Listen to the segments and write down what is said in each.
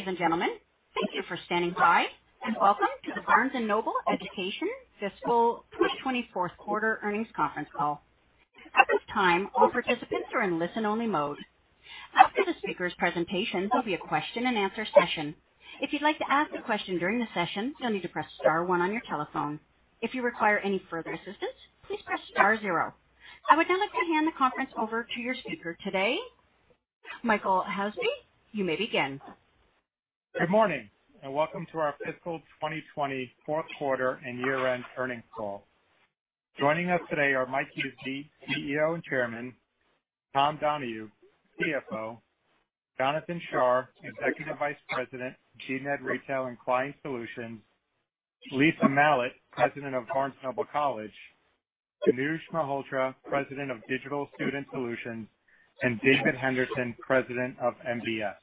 Ladies and gentlemen, thank you for standing by and welcome to the Barnes & Noble Education Fiscal 2020 Fourth Quarter Earnings Conference Call. At this time, all participants are in listen only mode. After the speakers' presentation, there'll be a question and answer session. If you'd like to ask a question during the session, you'll need to press star one on your telephone. If you require any further assistance, please press star zero. I would now like to hand the conference over to your speaker today, Michael Huseby, you may begin. Good morning and welcome to our fiscal 2020 fourth quarter and year-end earnings call. Joining us today are Mike Huseby, CEO and Chairman, Tom Donohue, CFO, Jonathan Shar, Executive Vice President, BNED Retail and Client Solutions, Lisa Malat, President of Barnes & Noble College, Kanuj Malhotra, President of Digital Student Solutions, and David Henderson, President of MBS.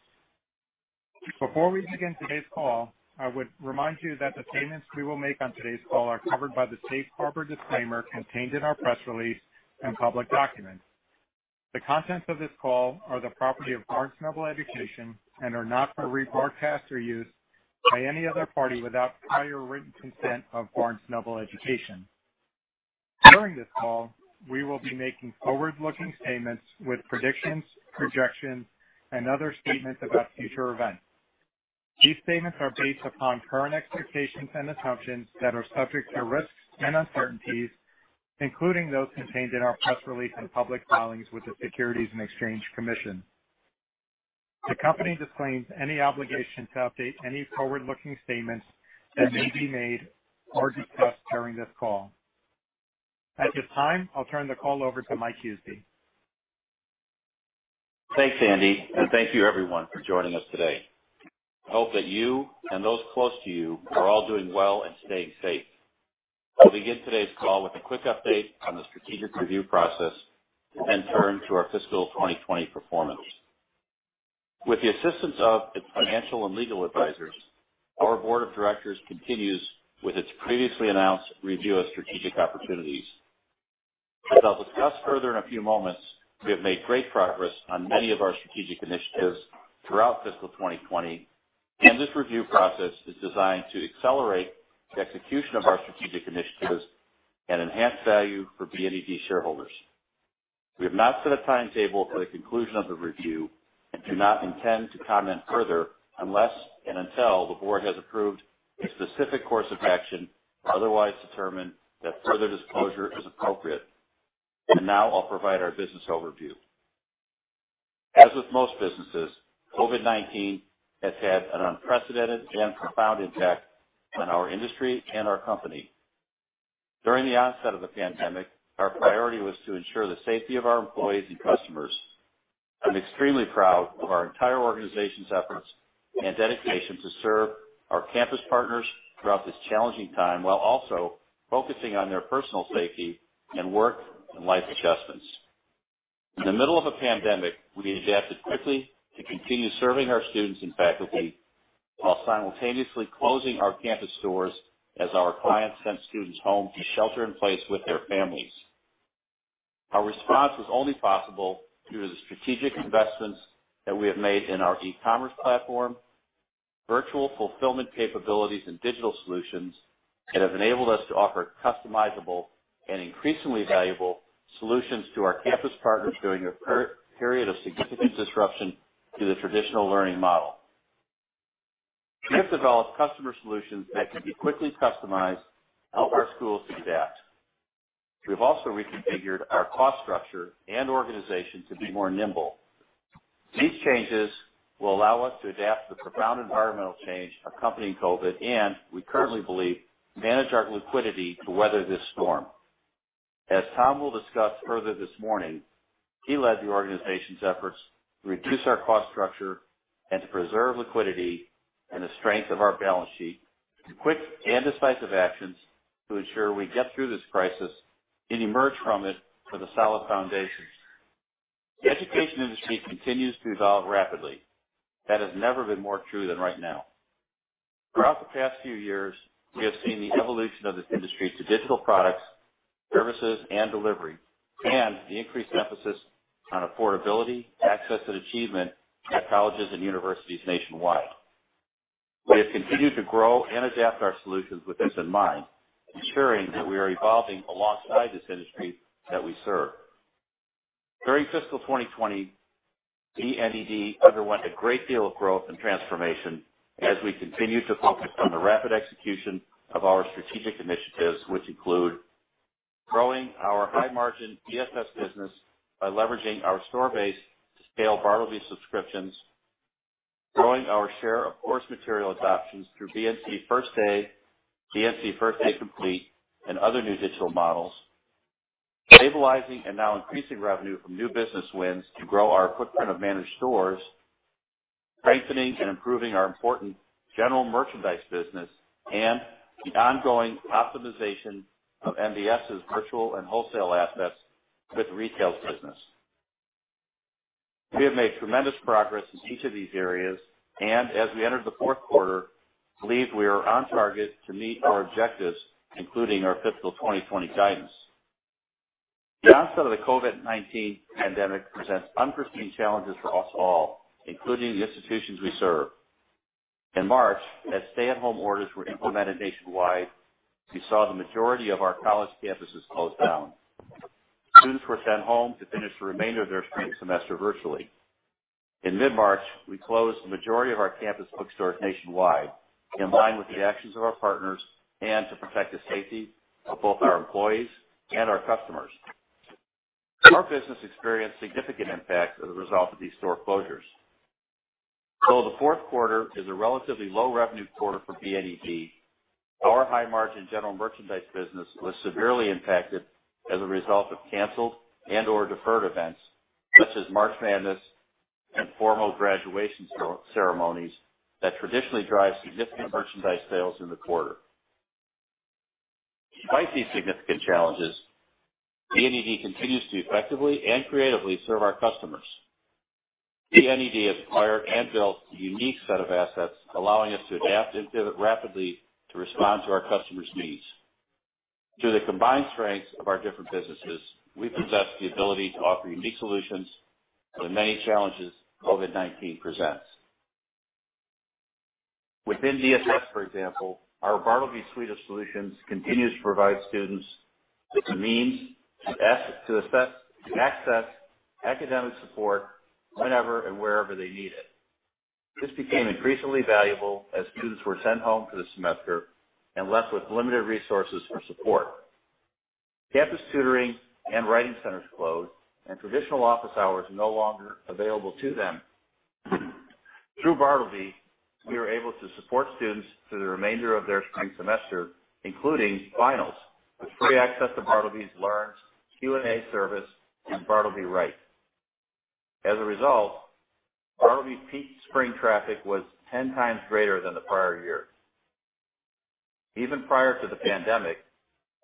Before we begin today's call, I would remind you that the statements we will make on today's call are covered by the safe harbor disclaimer contained in our press release and public documents. The contents of this call are the property of Barnes & Noble Education and are not for re-broadcast or use by any other party without prior written consent of Barnes & Noble Education. During this call, we will be making forward-looking statements with predictions, projections, and other statements about future events. These statements are based upon current expectations and assumptions that are subject to risks and uncertainties, including those contained in our press release and public filings with the Securities and Exchange Commission. The company disclaims any obligation to update any forward-looking statements that may be made or discussed during this call. At this time, I'll turn the call over to Mike Huseby. Thanks, Andy, and thank you everyone for joining us today. I hope that you and those close to you are all doing well and staying safe. I'll begin today's call with a quick update on the strategic review process and then turn to our fiscal 2020 performance. With the assistance of its financial and legal advisors, our board of directors continues with its previously announced review of strategic opportunities. As I'll discuss further in a few moments, we have made great progress on many of our strategic initiatives throughout fiscal 2020, and this review process is designed to accelerate the execution of our strategic initiatives and enhance value for BNED shareholders. We have not set a timetable for the conclusion of the review and do not intend to comment further unless and until the board has approved a specific course of action or otherwise determined that further disclosure is appropriate. Now I'll provide our business overview. As with most businesses, COVID-19 has had an unprecedented and profound impact on our industry and our company. During the onset of the pandemic, our priority was to ensure the safety of our employees and customers. I'm extremely proud of our entire organization's efforts and dedication to serve our campus partners throughout this challenging time, while also focusing on their personal safety and work and life adjustments. In the middle of a pandemic, we adapted quickly to continue serving our students and faculty while simultaneously closing our campus stores as our clients sent students home to shelter in place with their families. Our response was only possible due to the strategic investments that we have made in our e-commerce platform, virtual fulfillment capabilities and digital solutions that have enabled us to offer customizable and increasingly valuable solutions to our campus partners during a period of significant disruption to the traditional learning model. We have developed customer solutions that can be quickly customized to help our schools adapt. We've also reconfigured our cost structure and organization to be more nimble. These changes will allow us to adapt to the profound environmental change accompanying COVID, and we currently believe manage our liquidity to weather this storm. As Tom will discuss further this morning, he led the organization's efforts to reduce our cost structure and to preserve liquidity and the strength of our balance sheet through quick and decisive actions to ensure we get through this crisis and emerge from it with a solid foundation. The education industry continues to evolve rapidly. That has never been more true than right now. Throughout the past few years, we have seen the evolution of this industry to digital products, services, and delivery, and the increased emphasis on affordability, access, and achievement at colleges and universities nationwide. We have continued to grow and adapt our solutions with this in mind, ensuring that we are evolving alongside this industry that we serve. During fiscal 2020, BNED underwent a great deal of growth and transformation as we continued to focus on the rapid execution of our strategic initiatives, which include growing our high margin Digital Student Solutions business by leveraging our store base to scale Bartleby subscriptions, growing our share of course material adoptions through BNC First Day, BNC First Day Complete, and other new digital models, stabilizing and now increasing revenue from new business wins to grow our footprint of managed stores, strengthening and improving our important general merchandise business, and the ongoing optimization of MBS's virtual and wholesale assets with retail business. We have made tremendous progress in each of these areas and as we enter the fourth quarter, believe we are on target to meet our objectives, including our fiscal 2020 guidance. The onset of the COVID-19 pandemic presents unforeseen challenges for us all, including the institutions we serve. In March, as stay-at-home orders were implemented nationwide, we saw the majority of our college campuses close down. Students were sent home to finish the remainder of their spring semester virtually. In mid-March, we closed the majority of our campus bookstores nationwide, in line with the actions of our partners and to protect the safety of both our employees and our customers. Our business experienced significant impacts as a result of these store closures. Although the fourth quarter is a relatively low-revenue quarter for BNED, our high-margin general merchandise business was severely impacted as a result of canceled and/or deferred events, such as March Madness and formal graduation ceremonies that traditionally drive significant merchandise sales in the quarter. Despite these significant challenges, BNED continues to effectively and creatively serve our customers. BNED has acquired and built a unique set of assets, allowing us to adapt and pivot rapidly to respond to our customers' needs. Through the combined strengths of our different businesses, we possess the ability to offer unique solutions to the many challenges COVID-19 presents. Within DSS, for example, our Bartleby suite of solutions continues to provide students with the means to access academic support whenever and wherever they need it. This became increasingly valuable as students were sent home for the semester and left with limited resources for support. Campus tutoring and writing centers closed, and traditional office hours were no longer available to them. Through Bartleby, we were able to support students through the remainder of their spring semester, including finals, with free access to Bartleby Learn's Q&A service and Bartleby Write. As a result, Bartleby's peak spring traffic was 10 times greater than the prior year. Even prior to the pandemic,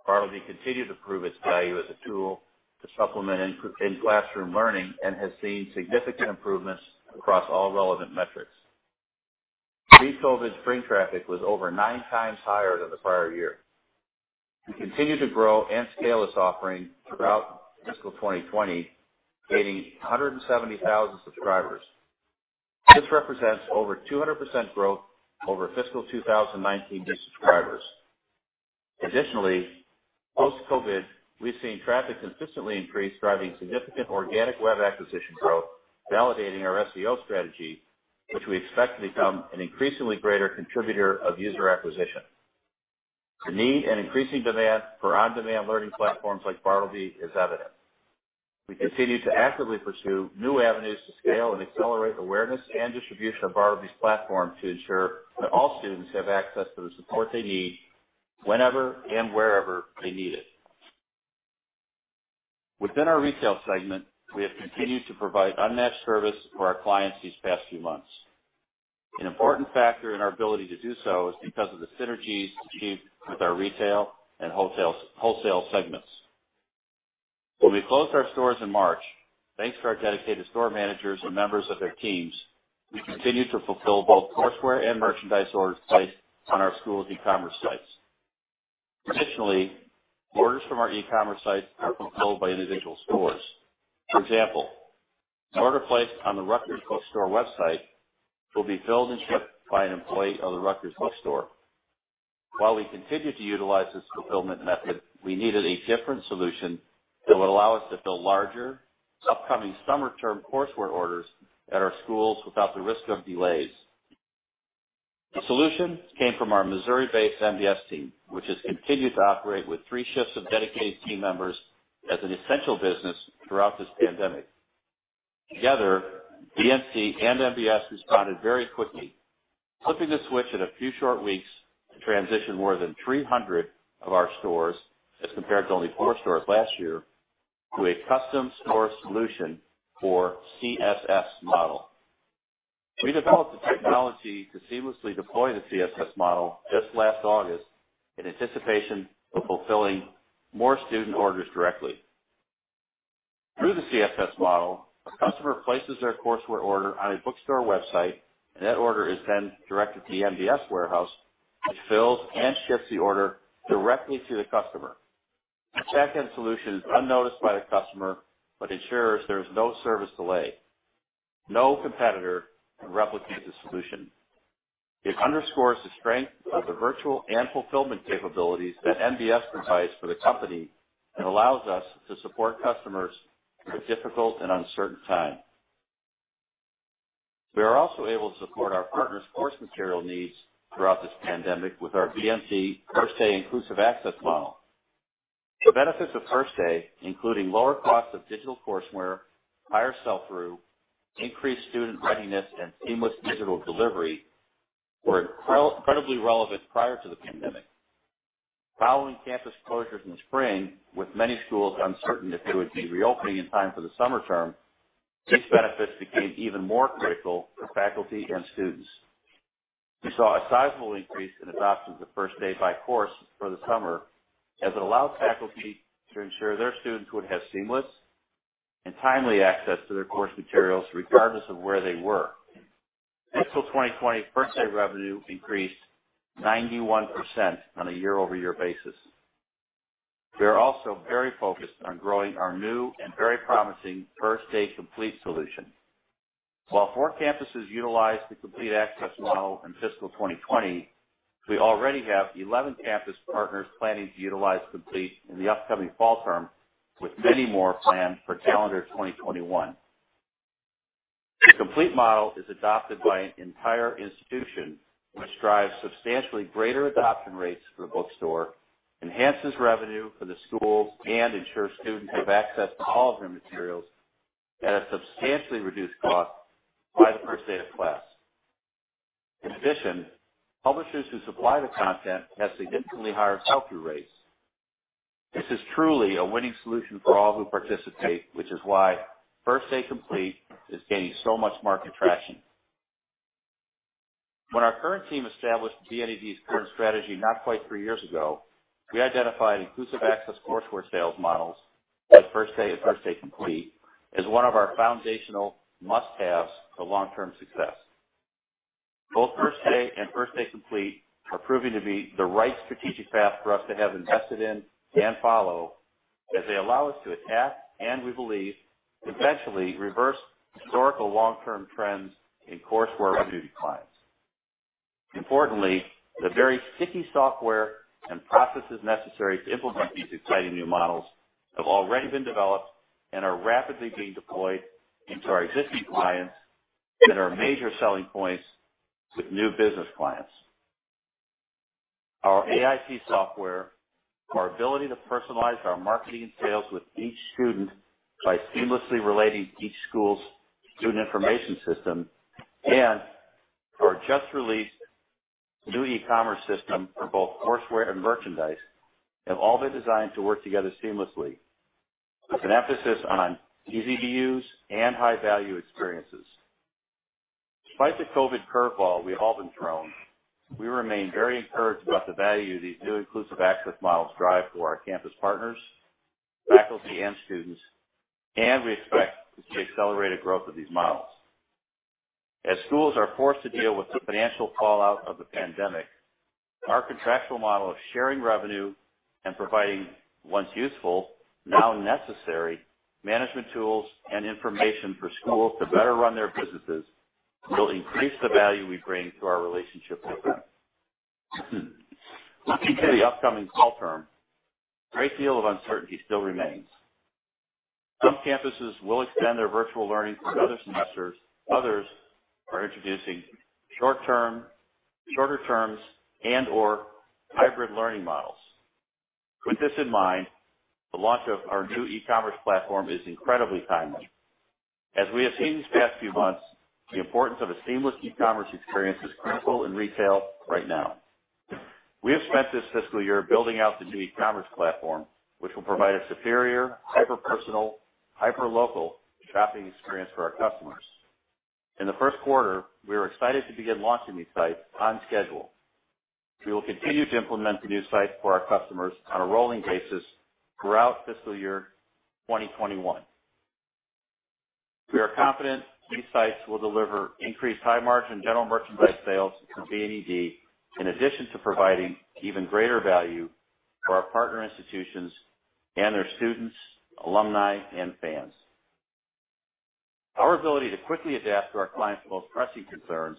Bartleby continued to prove its value as a tool to supplement in-classroom learning and has seen significant improvements across all relevant metrics. Pre-COVID-19 spring traffic was over nine times higher than the prior year. We continued to grow and scale this offering throughout fiscal 2020, gaining 170,000 subscribers. This represents over 200% growth over fiscal 2019 subscribers. Additionally, post-COVID-19, we've seen traffic consistently increase, driving significant organic web acquisition growth, validating our SEO strategy, which we expect to become an increasingly greater contributor of user acquisition. The need and increasing demand for on-demand learning platforms like Bartleby is evident. We continue to actively pursue new avenues to scale and accelerate awareness and distribution of Bartleby's platform to ensure that all students have access to the support they need, whenever and wherever they need it. Within our retail segment, we have continued to provide unmatched service for our clients these past few months. An important factor in our ability to do so is because of the synergies achieved with our retail and wholesale segments. When we closed our stores in March, thanks to our dedicated store managers and members of their teams, we continued to fulfill both courseware and merchandise orders placed on our school's e-commerce sites. Traditionally, orders from our e-commerce sites are fulfilled by individual stores. For example, an order placed on the Rutgers Bookstore website will be filled and shipped by an employee of the Rutgers Bookstore. While we continued to utilize this fulfillment method, we needed a different solution that would allow us to fill larger, upcoming summer term courseware orders at our schools without the risk of delays. The solution came from our Missouri-based MBS team, which has continued to operate with three shifts of dedicated team members as an essential business throughout this pandemic. Together, BNC and MBS responded very quickly, flipping the switch in a few short weeks to transition more than 300 of our stores, as compared to only four stores last year, to a Custom Store Solution or CSS Model. We developed the technology to seamlessly deploy the CSS model just last August in anticipation of fulfilling more student orders directly. Through the CSS model, a customer places their courseware order on a bookstore website, and that order is then directed to the MBS warehouse, which fills and ships the order directly to the customer. The backend solution is unnoticed by the customer but ensures there is no service delay. No competitor can replicate this solution. It underscores the strength of the virtual and fulfillment capabilities that MBS provides for the company and allows us to support customers through a difficult and uncertain time. We were also able to support our partners' course material needs throughout this pandemic with our BNC First Day inclusive access model. The benefits of First Day, including lower cost of digital courseware, higher sell-through, increased student readiness, and seamless digital delivery, were incredibly relevant prior to the pandemic. Following campus closures in the spring, with many schools uncertain if they would be reopening in time for the summer term, these benefits became even more critical for faculty and students. We saw a sizable increase in adoption of First Day by course for the summer, as it allowed faculty to ensure their students would have seamless and timely access to their course materials, regardless of where they were. Fiscal 2020 First Day revenue increased 91% on a year-over-year basis. We are also very focused on growing our new and very promising First Day Complete solution. While four campuses utilized the Complete access model in fiscal 2020, we already have 11 campus partners planning to utilize Complete in the upcoming fall term, with many more planned for calendar 2021. The Complete model is adopted by an entire institution, which drives substantially greater adoption rates for the bookstore, enhances revenue for the schools, and ensures students have access to all of their materials at a substantially reduced cost by the first day of class. In addition, publishers who supply the content have significantly higher sell-through rates. This is truly a winning solution for all who participate, which is why First Day Complete is gaining so much market traction. When our current team established BNED's current strategy not quite three years ago, we identified inclusive access courseware sales models, like First Day and First Day Complete, as one of our foundational must-haves for long-term success. Both First Day and First Day Complete are proving to be the right strategic path for us to have invested in and follow, as they allow us to attack and, we believe, eventually reverse historical long-term trends in courseware revenue declines. Importantly, the very sticky software and processes necessary to implement these exciting new models have already been developed and are rapidly being deployed into our existing clients that are major selling points with new business clients. Our AIP software, our ability to personalize our marketing sales with each student by seamlessly relating each school's student information system, and our just-released new e-commerce system for both courseware and merchandise, have all been designed to work together seamlessly with an emphasis on easy-to-use and high-value experiences. Despite the COVID-19 curveball we've all been thrown, we remain very encouraged about the value these new inclusive access models drive for our campus partners, faculty, and students, and we expect to see accelerated growth of these models. As schools are forced to deal with the financial fallout of the pandemic, our contractual model of sharing revenue and providing once useful, now necessary, management tools and information for schools to better run their businesses will increase the value we bring to our relationship with them. Looking to the upcoming fall term, a great deal of uncertainty still remains. Some campuses will extend their virtual learning through another semester. Others are introducing shorter terms and/or hybrid learning models. With this in mind, the launch of our new e-commerce platform is incredibly timely. As we have seen these past few months, the importance of a seamless e-commerce experience is critical in retail right now. We have spent this fiscal year building out the new e-commerce platform, which will provide a superior, hyper-personal, hyper-local shopping experience for our customers. In the first quarter, we are excited to begin launching these sites on schedule. We will continue to implement the new sites for our customers on a rolling basis throughout fiscal year 2021. We are confident these sites will deliver increased high-margin general merchandise sales to BNED, in addition to providing even greater value for our partner institutions and their students, alumni, and fans. Our ability to quickly adapt to our clients' most pressing concerns,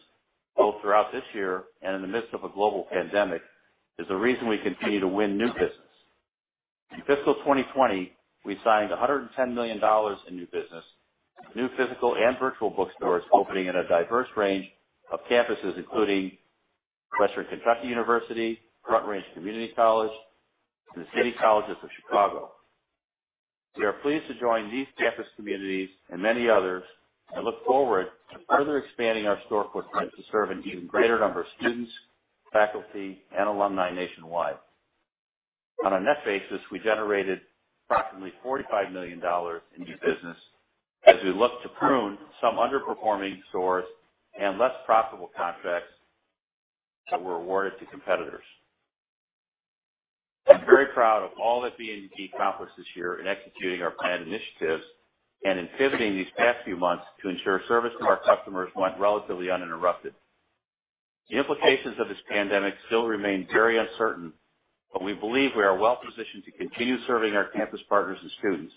both throughout this year and in the midst of a global pandemic, is the reason we continue to win new business. In fiscal 2020, we signed $110 million in new business, with new physical and virtual bookstores opening in a diverse range of campuses, including Western Kentucky University, Front Range Community College, and the City Colleges of Chicago. We are pleased to join these campus communities and many others, and look forward to further expanding our storefront presence to serve an even greater number of students, faculty, and alumni nationwide. On a net basis, we generated approximately $45 million in new business as we look to prune some underperforming stores and less profitable contracts that were awarded to competitors. I'm very proud of all that BNED accomplished this year in executing our planned initiatives and in pivoting these past few months to ensure service to our customers went relatively uninterrupted. The implications of this pandemic still remain very uncertain, but we believe we are well positioned to continue serving our campus partners and students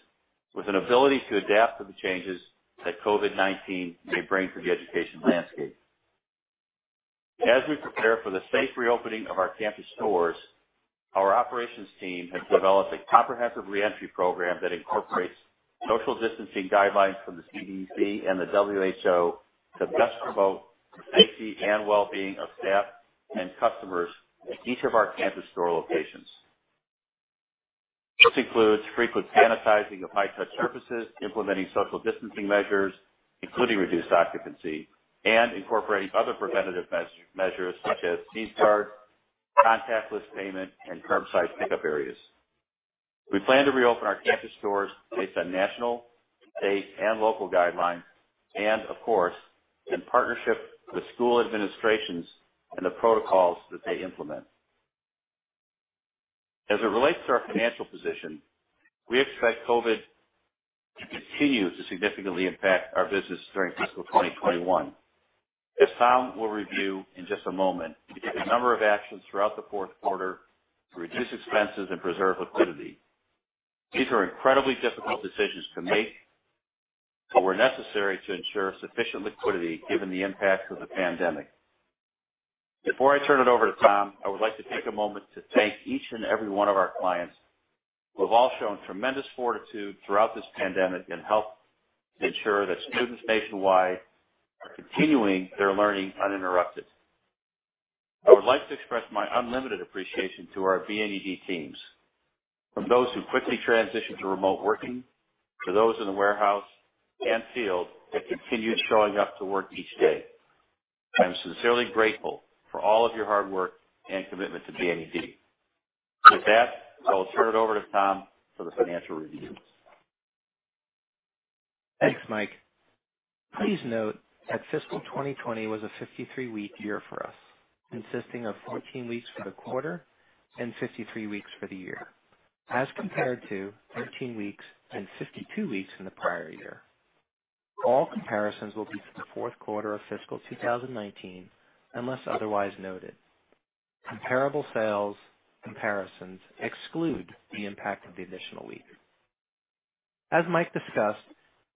with an ability to adapt to the changes that COVID-19 may bring to the education landscape. As we prepare for the safe reopening of our campus stores, our operations team has developed a comprehensive reentry program that incorporates social distancing guidelines from the CDC and the WHO to best promote the safety and wellbeing of staff and customers at each of our campus store locations. This includes frequent sanitizing of high-touch surfaces, implementing social distancing measures, including reduced occupancy, and incorporating other preventative measures such as C-cart, contactless payment, and curbside pickup areas. We plan to reopen our campus stores based on national, state, and local guidelines and, of course, in partnership with school administrations and the protocols that they implement. As it relates to our financial position, we expect COVID-19 to continue to significantly impact our business during fiscal 2021. As Tom will review in just a moment, we took a number of actions throughout the fourth quarter to reduce expenses and preserve liquidity. These were incredibly difficult decisions to make, but were necessary to ensure sufficient liquidity given the impact of the pandemic. Before I turn it over to Tom, I would like to take a moment to thank each and every one of our clients, who have all shown tremendous fortitude throughout this pandemic and helped ensure that students nationwide are continuing their learning uninterrupted. I would like to express my unlimited appreciation to our BNED teams. From those who quickly transitioned to remote working, to those in the warehouse and field that continued showing up to work each day. I'm sincerely grateful for all of your hard work and commitment to BNED. With that, I'll turn it over to Tom for the financial review. Thanks, Mike. Please note that fiscal 2020 was a 53-week year for us, consisting of 14 weeks for the quarter and 53 weeks for the year, as compared to 13 weeks and 52 weeks in the prior year. All comparisons will be to the fourth quarter of fiscal 2019, unless otherwise noted. Comparable sales comparisons exclude the impact of the additional week. As Mike discussed,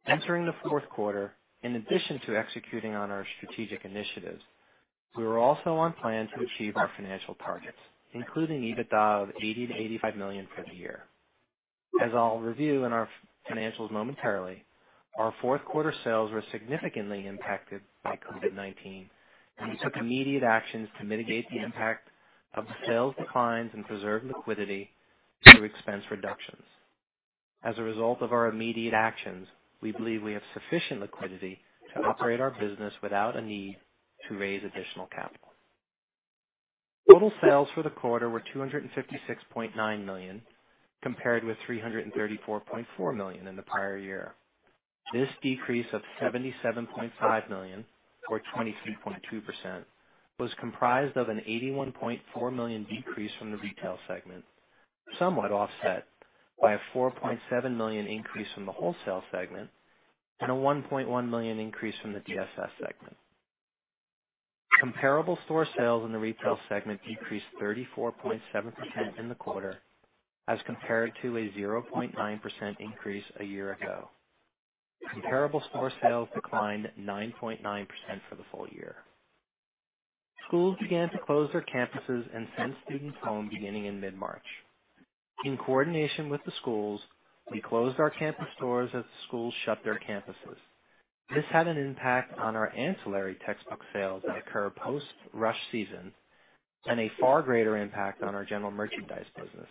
entering the fourth quarter, in addition to executing on our strategic initiatives, we were also on plan to achieve our financial targets, including EBITDA of $80 million to $85 million for the year. As I'll review in our financials momentarily, our fourth quarter sales were significantly impacted by COVID-19, and we took immediate actions to mitigate the impact of sales declines and preserve liquidity through expense reductions. As a result of our immediate actions, we believe we have sufficient liquidity to operate our business without a need to raise additional capital. Total sales for the quarter were $256.9 million, compared with $334.4 million in the prior year. This decrease of $77.5 million, or 23.2%, was comprised of an $81.4 million decrease from the Retail segment, somewhat offset by a $4.7 million increase from the Wholesale segment and a $1.1 million increase from the DSS segment. Comparable store sales in the Retail segment decreased 34.7% in the quarter as compared to a 0.9% increase a year ago. Comparable store sales declined 9.9% for the full year. Schools began to close their campuses and send students home beginning in mid-March. In coordination with the schools, we closed our campus stores as the schools shut their campuses. This had an impact on our ancillary textbook sales that occur post-rush season, and a far greater impact on our general merchandise business,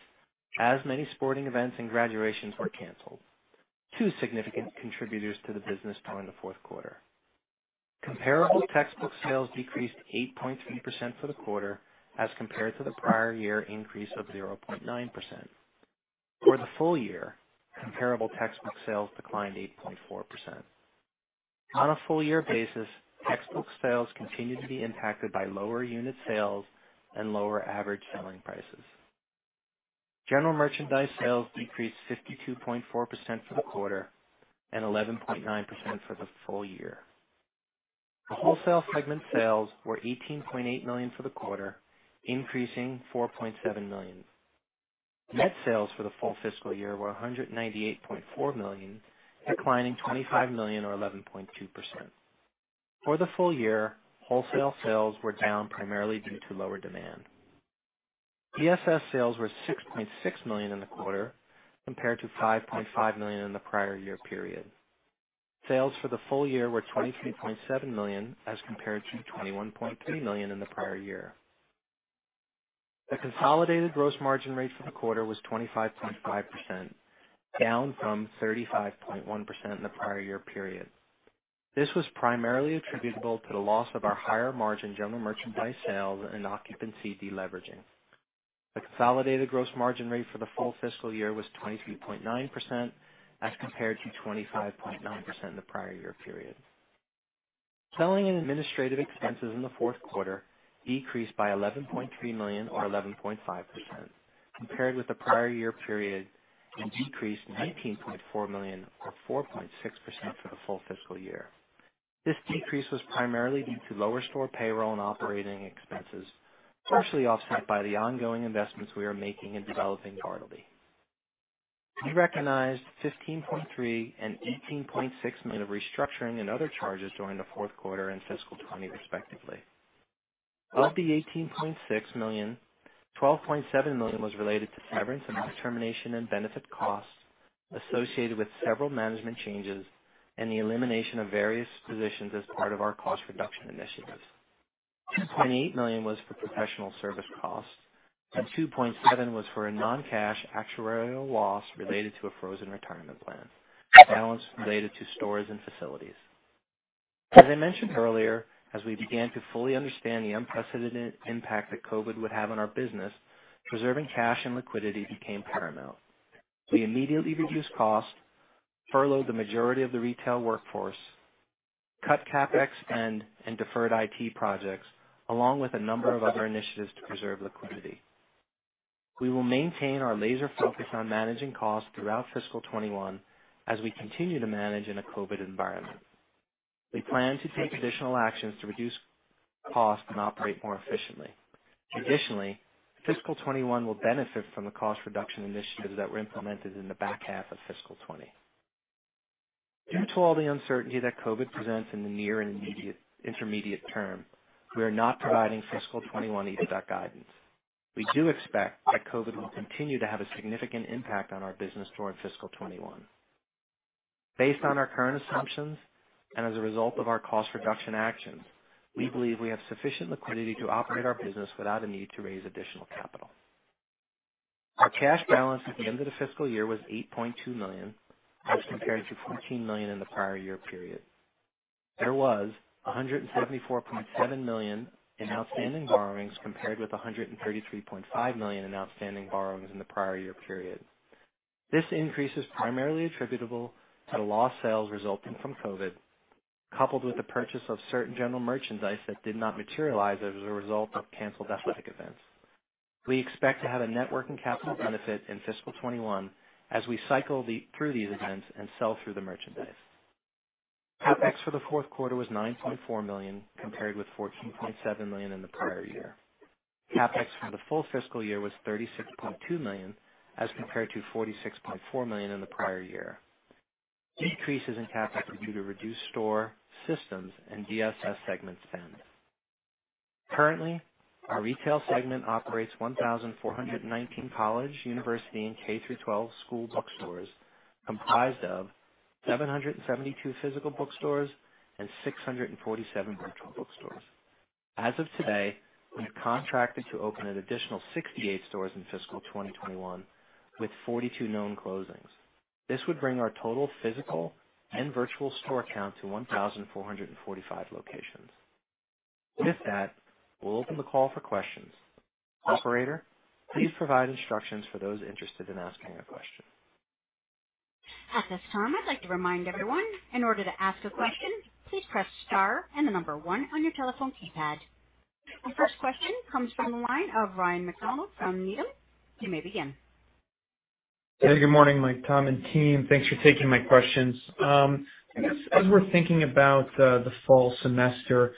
as many sporting events and graduations were canceled, two significant contributors to the business during the fourth quarter. Comparable textbook sales decreased 8.3% for the quarter as compared to the prior year increase of 0.9%. For the full year, comparable textbook sales declined 8.4%. On a full-year basis, textbook sales continued to be impacted by lower unit sales and lower average selling prices. General merchandise sales decreased 52.4% for the quarter and 11.9% for the full year. The wholesale segment sales were $18.8 million for the quarter, increasing $4.7 million. Net sales for the full fiscal year were $198.4 million, declining $25 million, or 11.2%. For the full year, wholesale sales were down primarily due to lower demand. DSS sales were $6.6 million in the quarter compared to $5.5 million in the prior year period. Sales for the full year were $23.7 million as compared to $21.3 million in the prior year. The consolidated gross margin rate for the quarter was 25.5%, down from 35.1% in the prior year period. This was primarily attributable to the loss of our higher margin general merchandise sales and occupancy deleveraging. The consolidated gross margin rate for the full fiscal year was 23.9% as compared to 25.9% in the prior year period. Selling and administrative expenses in the fourth quarter decreased by $11.3 million or 11.5% compared with the prior year period, and decreased $19.4 million or 4.6% for the full fiscal year. This decrease was primarily due to lower store payroll and operating expenses, partially offset by the ongoing investments we are making in developing Bartleby. We recognized $15.3 million and $18.6 million of restructuring and other charges during the fourth quarter and fiscal 2020, respectively. Of the $18.6 million, $12.7 million was related to severance and termination and benefit costs associated with several management changes and the elimination of various positions as part of our cost reduction initiatives. $2.8 million was for professional service costs, and $2.7 was for a non-cash actuarial loss related to a frozen retirement plan, balance related to stores and facilities. As I mentioned earlier, as we began to fully understand the unprecedented impact that COVID-19 would have on our business, preserving cash and liquidity became paramount. We immediately reduced cost, furloughed the majority of the retail workforce, cut CapEx spend and deferred IT projects, along with a number of other initiatives to preserve liquidity. We will maintain our laser focus on managing costs throughout fiscal 2021 as we continue to manage in a COVID environment. We plan to take additional actions to reduce costs and operate more efficiently. Additionally, fiscal 2021 will benefit from the cost reduction initiatives that were implemented in the back half of fiscal 2020. Due to all the uncertainty that COVID presents in the near and intermediate term, we are not providing fiscal 2021 EBITDA guidance. We do expect that COVID will continue to have a significant impact on our business during fiscal 2021. Based on our current assumptions, and as a result of our cost reduction actions, we believe we have sufficient liquidity to operate our business without a need to raise additional capital. Our cash balance at the end of the fiscal year was $8.2 million, as compared to $14 million in the prior year period. There was $174.7 million in outstanding borrowings compared with $133.5 million in outstanding borrowings in the prior year period. This increase is primarily attributable to lost sales resulting from COVID-19, coupled with the purchase of certain general merchandise that did not materialize as a result of canceled athletic events. We expect to have a net working capital benefit in fiscal 2021 as we cycle through these events and sell through the merchandise. CapEx for the fourth quarter was $9.4 million, compared with $14.7 million in the prior year. CapEx for the full fiscal year was $36.2 million, as compared to $46.4 million in the prior year. These increases in CapEx are due to reduced store systems and DSS segment spend. Currently, our retail segment operates 1,419 college, university, and K through 12 school bookstores, comprised of 772 physical bookstores and 647 virtual bookstores. As of today, we have contracted to open an additional 68 stores in fiscal 2021, with 42 known closings. This would bring our total physical and virtual store count to 1,445 locations. With that, we'll open the call for questions. Operator, please provide instructions for those interested in asking a question. At this time, I'd like to remind everyone, in order to ask a question, please press star and the number one on your telephone keypad. Our first question comes from the line of Ryan MacDonald from Needham. You may begin. Hey, good morning, Mike, Tom, and team. Thanks for taking my questions. I guess as we're thinking about the fall semester,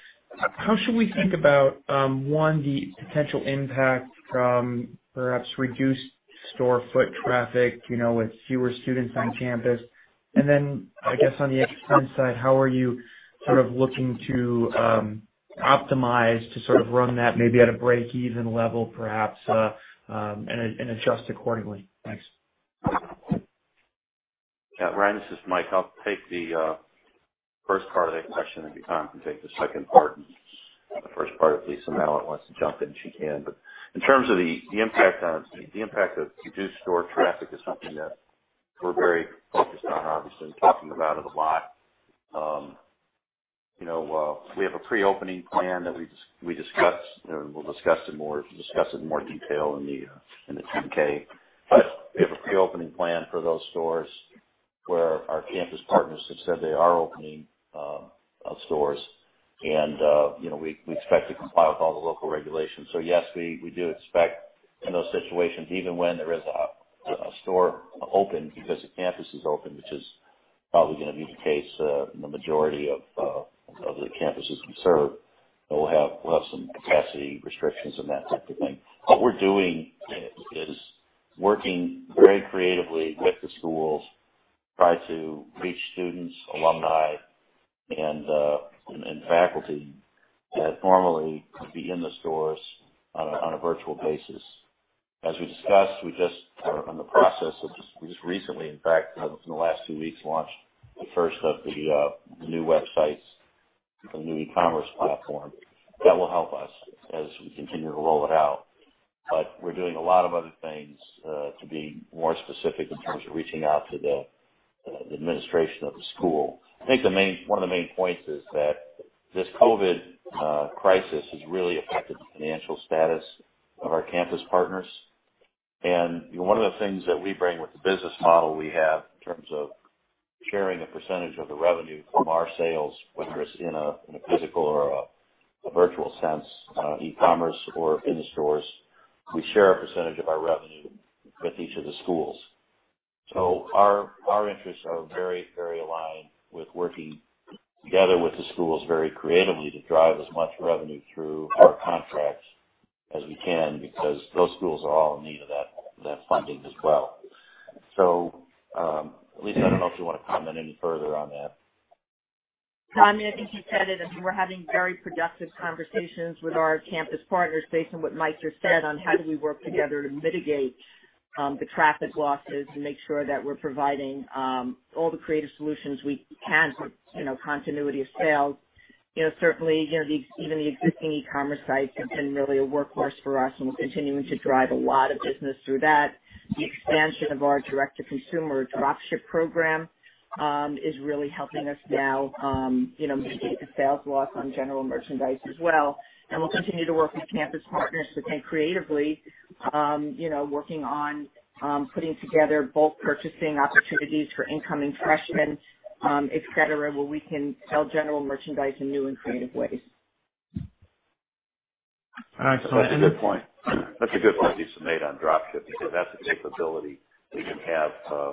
how should we think about, one, the potential impact from perhaps reduced store foot traffic with fewer students on campus? Then I guess on the expense side, how are you sort of looking to optimize to sort of run that maybe at a break-even level, perhaps and adjust accordingly? Thanks. Ryan, this is Mike. I'll take the first part of that question, and if you Tom can take the second part. The first part, at least, if Malat wants to jump in, she can. In terms of the impact of reduced store traffic is something that we're very focused on, obviously, and talking about it a lot. We have a pre-opening plan that we discussed, and we'll discuss it in more detail in the 10-K. We have a pre-opening plan for those stores where our campus partners have said they are opening stores and we expect to comply with all the local regulations. Yes, we do expect in those situations, even when there is a store open because the campus is open, which is probably going to be the case in the majority of the campuses we serve, that we'll have some capacity restrictions and that type of thing. What we're doing is working very creatively with the schools to try to reach students, alumni, and faculty that normally would be in the stores on a virtual basis. As we discussed, we are in the process of just recently, in fact, within the last two weeks, launched the first of the new websites for the new e-commerce platform. That will help us as we continue to roll it out. We're doing a lot of other things to be more specific in terms of reaching out to the administration of the school. I think one of the main points is that this COVID-19 crisis has really affected the financial status of our campus partners. One of the things that we bring with the business model we have in terms of sharing a percentage of the revenue from our sales, whether it's in a physical or a virtual sense, e-commerce or in the stores, we share a percentage of our revenue with each of the schools. Our interests are very aligned with working together with the schools very creatively to drive as much revenue through our contracts as we can, because those schools are all in need of that funding as well. Lisa, I don't know if you want to comment any further on that. Tom, I think you said it. I mean, we're having very productive conversations with our campus partners based on what Mike just said on how do we work together to mitigate the traffic losses and make sure that we're providing all the creative solutions we can for continuity of sales. Certainly, even the existing e-commerce sites have been really a workhorse for us, and we're continuing to drive a lot of business through that. The expansion of our direct-to-consumer drop ship program is really helping us now mitigate the sales loss on general merchandise as well, and we'll continue to work with campus partners to think creatively, working on putting together bulk purchasing opportunities for incoming freshmen, et cetera, where we can sell general merchandise in new and creative ways. Excellent. That's a good point. That's a good point you made on drop ship, because that's a capability we didn't have last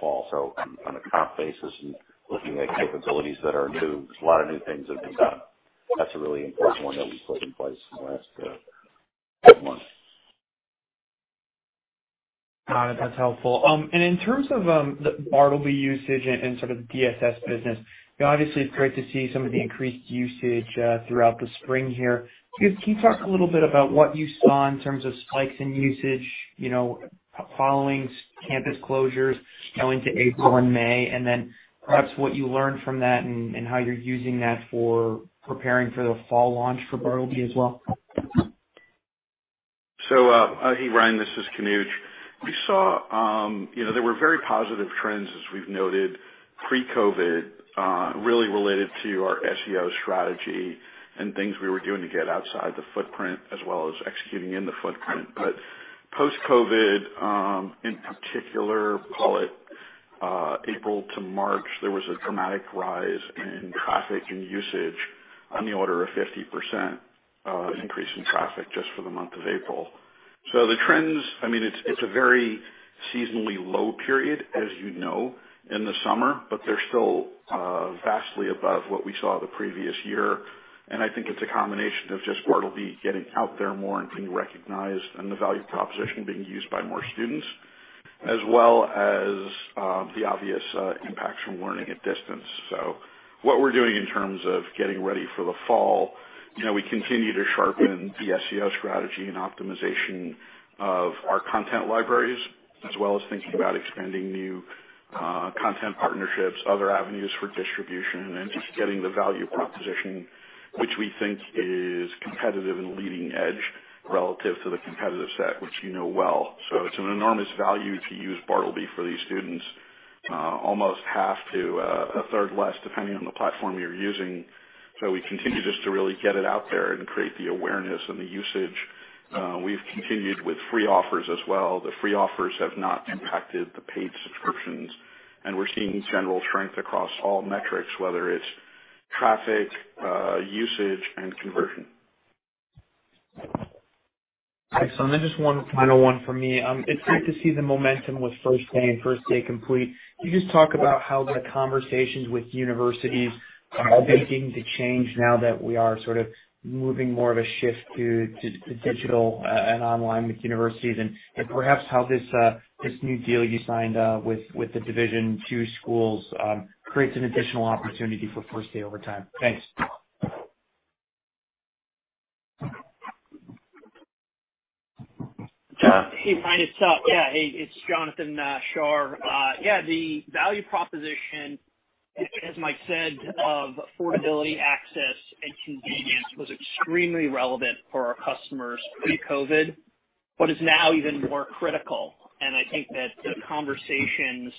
fall. On a comp basis and looking at capabilities that are new, there's a lot of new things that have been done. That's a really important one that we put in place in the last 12 months. Got it. That's helpful. In terms of the Bartleby usage and sort of DSS business, obviously it's great to see some of the increased usage throughout the spring here. Can you talk a little bit about what you saw in terms of spikes in usage following campus closures going to April and May? Perhaps what you learned from that and how you're using that for preparing for the fall launch for Bartleby as well. Hey, Ryan, this is Kanuj. There were very positive trends as we've noted pre-COVID-19, really related to our SEO strategy and things we were doing to get outside the footprint as well as executing in the footprint. Post-COVID-19, in particular, call it April to March, there was a dramatic rise in traffic and usage on the order of 50% increase in traffic just for the month of April. The trends, it's a very seasonally low period, as you know, in the summer, but they're still vastly above what we saw the previous year. I think it's a combination of just Bartleby getting out there more and being recognized and the value proposition being used by more students, as well as the obvious impacts from learning at distance. What we're doing in terms of getting ready for the fall, we continue to sharpen the SEO strategy and optimization of our content libraries, as well as thinking about expanding new content partnerships, other avenues for distribution, and just getting the value proposition, which we think is competitive and leading edge relative to the competitive set, which you know well. It's an enormous value to use Bartleby for these students. Almost half to a third less, depending on the platform you're using. We continue just to really get it out there and create the awareness and the usage. We've continued with free offers as well. The free offers have not impacted the paid subscriptions, and we're seeing general strength across all metrics, whether it's traffic, usage, and conversion. Excellent. Then just one final one from me. It's great to see the momentum with First Day and First Day Complete. Can you just talk about how the conversations with universities are beginning to change now that we are sort of moving more of a shift to digital and online with universities, and perhaps how this new deal you signed with the Division II Schools creates an additional opportunity for First Day over time? Thanks. Jon. Hey, Ryan, it's Jon. Yeah. Hey, it's Jonathan Shar. The value proposition, as Mike said, of affordability, access, and convenience was extremely relevant for our customers pre-COVID, is now even more critical. I think that the conversations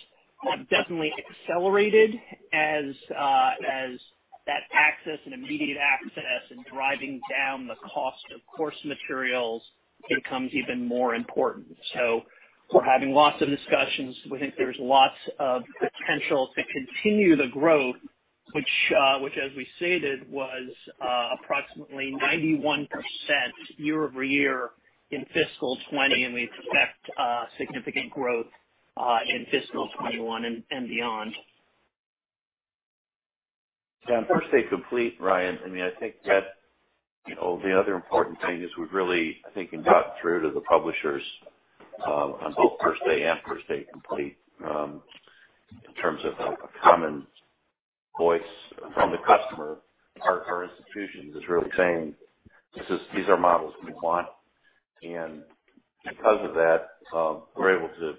have definitely accelerated as that access and immediate access and driving down the cost of course materials becomes even more important. We're having lots of discussions. We think there's lots of potential to continue the growth, which, as we stated, was approximately 91% year-over-year in fiscal 2020, we expect significant growth in fiscal 2021 and beyond. On First Day Complete, Ryan, I think that the other important thing is we've really, I think, gotten through to the publishers, on both First Day and First Day Complete, in terms of a common voice from the customer. Our institutions is really saying, "These are models we want." Because of that, we're able to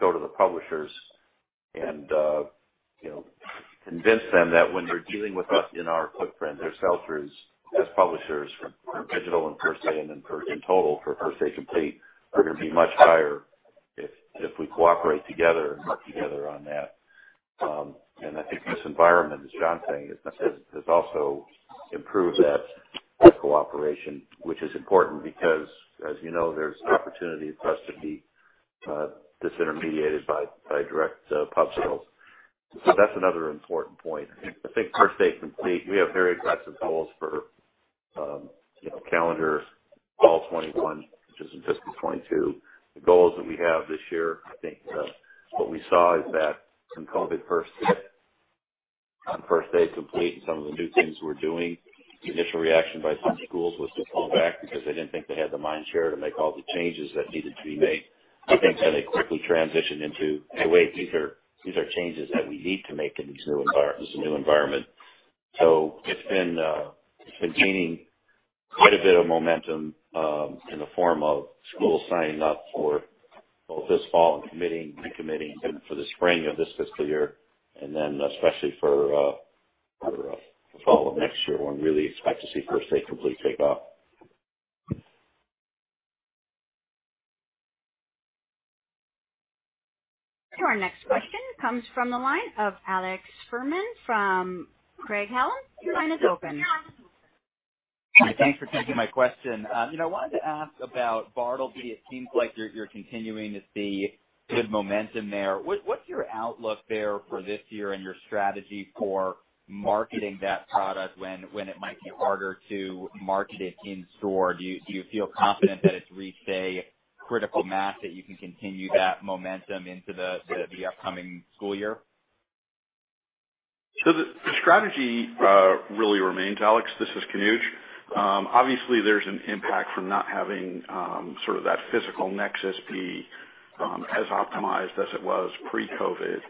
go to the publishers and convince them that when they're dealing with us in our footprint, their sell-throughs as publishers for digital and First Day, and in total for First Day Complete, are going to be much higher if we cooperate together and work together on that. I think this environment, as Jon's saying, has also improved that cooperation, which is important because, as you know, there's opportunity for us to be disintermediated by direct pub sales. That's another important point. I think First Day Complete, we have very aggressive goals for calendar fall 2021, which is in fiscal 2022. The goals that we have this year, I think what we saw is that some COVID First Day Complete and some of the new things we're doing, the initial reaction by some schools was to pull back because they didn't think they had the mind share to make all the changes that needed to be made. I think that they quickly transitioned into, "Hey, wait, these are changes that we need to make in this new environment." It's been gaining quite a bit of momentum in the form of schools signing up for both this fall and committing for the spring of this fiscal year, and then especially for the fall of next year, when we really expect to see First Day Complete take off. Our next question comes from the line of Alex Fuhrman from Craig-Hallum. Your line is open. Thanks for taking my question. I wanted to ask about Bartleby. It seems like you're continuing to see good momentum there. What's your outlook there for this year and your strategy for marketing that product when it might be harder to market it in-store? Do you feel confident that it's reached a critical mass that you can continue that momentum into the upcoming school year? The strategy really remains, Alex. This is Kanuj. Obviously, there's an impact from not having that physical nexus be as optimized as it was pre-COVID.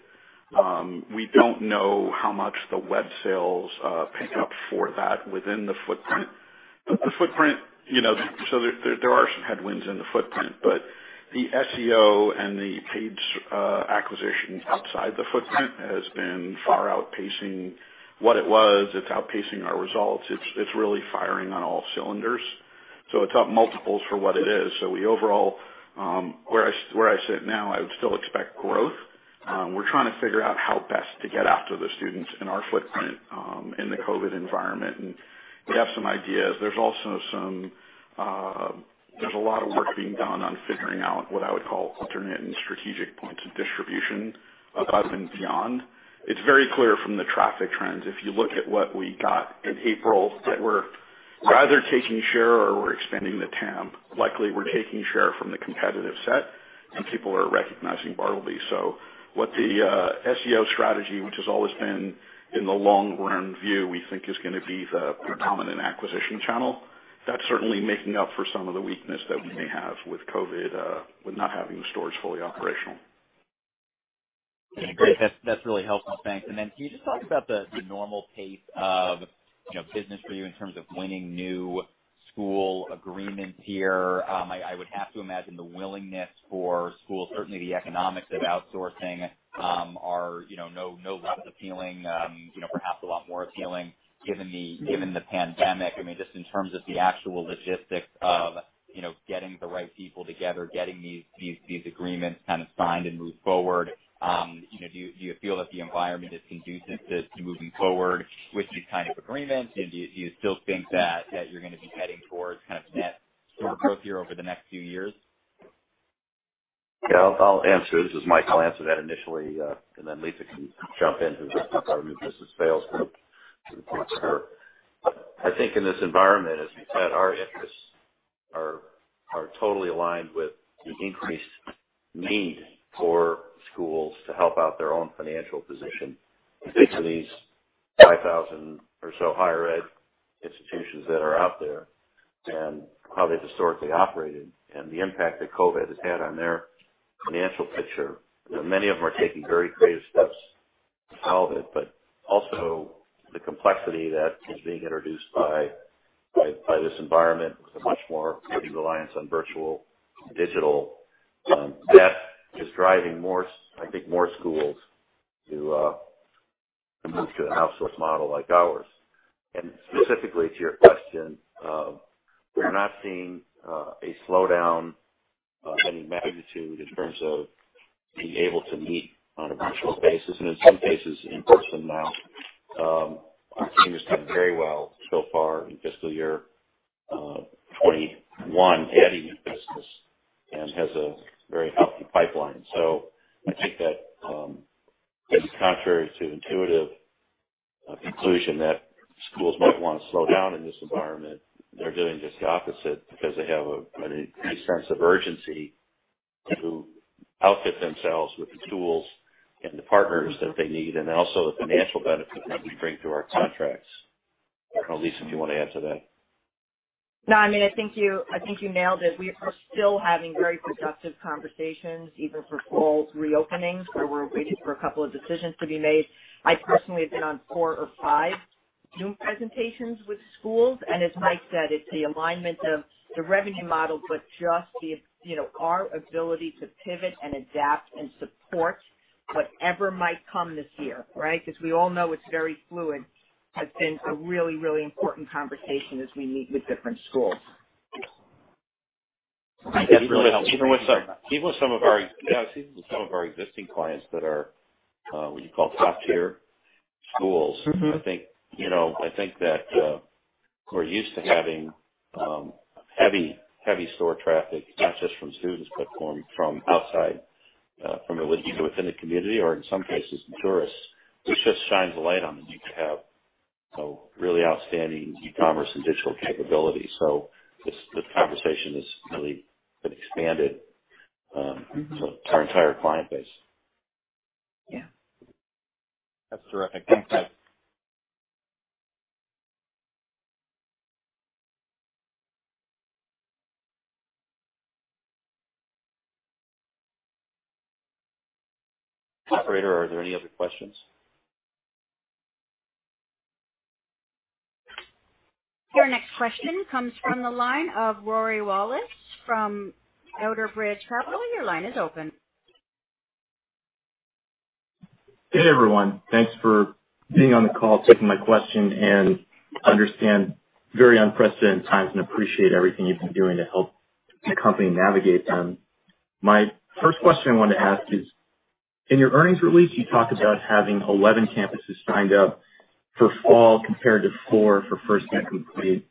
We don't know how much the web sales pick up for that within the footprint. There are some headwinds in the footprint, but the SEO and the paid acquisition outside the footprint has been far outpacing what it was. It's outpacing our results. It's really firing on all cylinders. It's up multiples for what it is. Overall, where I sit now, I would still expect growth. We're trying to figure out how best to get after the students in our footprint in the COVID environment, and we have some ideas. There's a lot of work being done on figuring out what I would call alternate and strategic points of distribution above and beyond. It's very clear from the traffic trends, if you look at what we got in April, that we're either taking share or we're expanding the TAM. Likely, we're taking share from the competitive set, and people are recognizing Bartleby. What the SEO strategy, which has always been in the long-run view, we think is going to be the predominant acquisition channel. That's certainly making up for some of the weakness that we may have with COVID-19, with not having stores fully operational. Great. That's really helpful. Thanks. Can you just talk about the normal pace of business for you in terms of winning new school agreements here? I would have to imagine the willingness for schools, certainly the economics of outsourcing are no less appealing. Perhaps a lot more appealing given the pandemic. Just in terms of the actual logistics of getting the right people together, getting these agreements signed and moved forward. Do you feel that the environment is conducive to moving forward with these kind of agreements? Do you still think that you're going to be heading towards net sort of growth here over the next few years? Yeah, I'll answer. This is Mike. I'll answer that initially, and then Lisa can jump in, who's leading our new business sales group. I think in this environment, as we said, our interests are totally aligned with the increased need for schools to help out their own financial position. If you think of these 5,000 or so higher ed institutions that are out there and how they've historically operated and the impact that COVID has had on their financial picture, many of them are taking very creative steps out of it. Also the complexity that is being introduced by this environment with a much more heavy reliance on virtual and digital. That is driving, I think, more schools to move to an outsource model like ours. Specifically to your question, we're not seeing a slowdown of any magnitude in terms of being able to meet on a virtual basis and in some cases in person now. Our team has done very well so far in fiscal year 2021 adding new business and has a very healthy pipeline. I think that as contrary to intuitive conclusion that schools might want to slow down in this environment, they're doing just the opposite because they have a sense of urgency to outfit themselves with the tools and the partners that they need and also the financial benefits that we bring through our contracts. I don't know, Lisa, if you want to add to that. No, I think you nailed it. We are still having very productive conversations, even for fall reopenings, where we're waiting for a couple of decisions to be made. I personally have been on four or five Zoom presentations with schools, and as Mike said, it's the alignment of the revenue model, but just our ability to pivot and adapt and support whatever might come this year, right? Because we all know it's very fluid, has been a really important conversation as we meet with different schools. Even with some of our existing clients that are what you call top-tier schools. I think that who are used to having heavy store traffic, not just from students, but from outside, from within the community or in some cases tourists. This just shines a light on that you could have a really outstanding e-commerce and digital capability. This conversation has really been expanded to our entire client base. Yeah. That's terrific. Thanks. Operator, are there any other questions? Your next question comes from the line of Rory Wallace from Outerbridge Capital. Your line is open. Good, everyone. Thanks for being on the call, taking my question, and understand very unprecedented times and appreciate everything you've been doing to help the company navigate them. My first question I wanted to ask is, in your earnings release, you talk about having 11 campuses signed up for fall compared to four for First Day Complete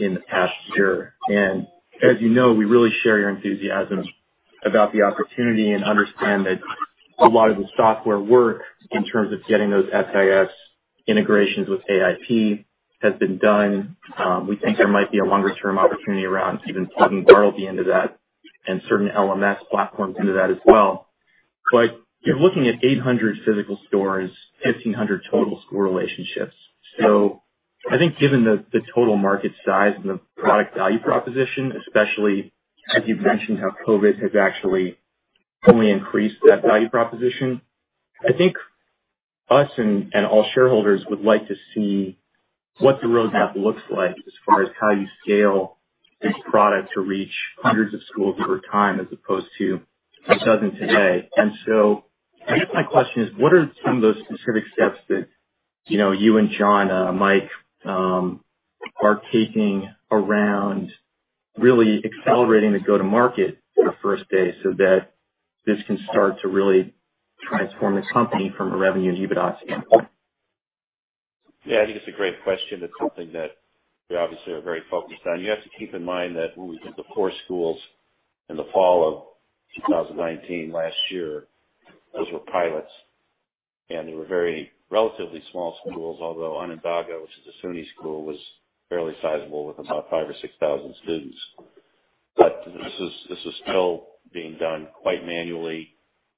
in the past year. As you know, we really share your enthusiasm about the opportunity and understand that a lot of the software work in terms of getting those SIS integrations with AIP has been done. We think there might be a longer-term opportunity around even plugging Bartleby into that and certain LMS platforms into that as well. You're looking at 800 physical stores, 1,500 total school relationships. I think given the total market size and the product value proposition, especially as you've mentioned how COVID-19 has actually only increased that value proposition, I think us and all shareholders would like to see what the roadmap looks like as far as how you scale this product to reach hundreds of schools over time, as opposed to a dozen today. I guess my question is, what are some of those specific steps that you and John, Mike are taking around really accelerating the go-to-market for First Day so that this can start to really transform the company from a revenue and EBITDA standpoint? Yeah, I think it's a great question. It's something that we obviously are very focused on. You have to keep in mind that when we did the core schools in the fall of 2019 last year, those were pilots, and they were very relatively small schools. Although Onondaga, which is a SUNY school, was fairly sizable with about five or six thousand students. This is still being done quite manually,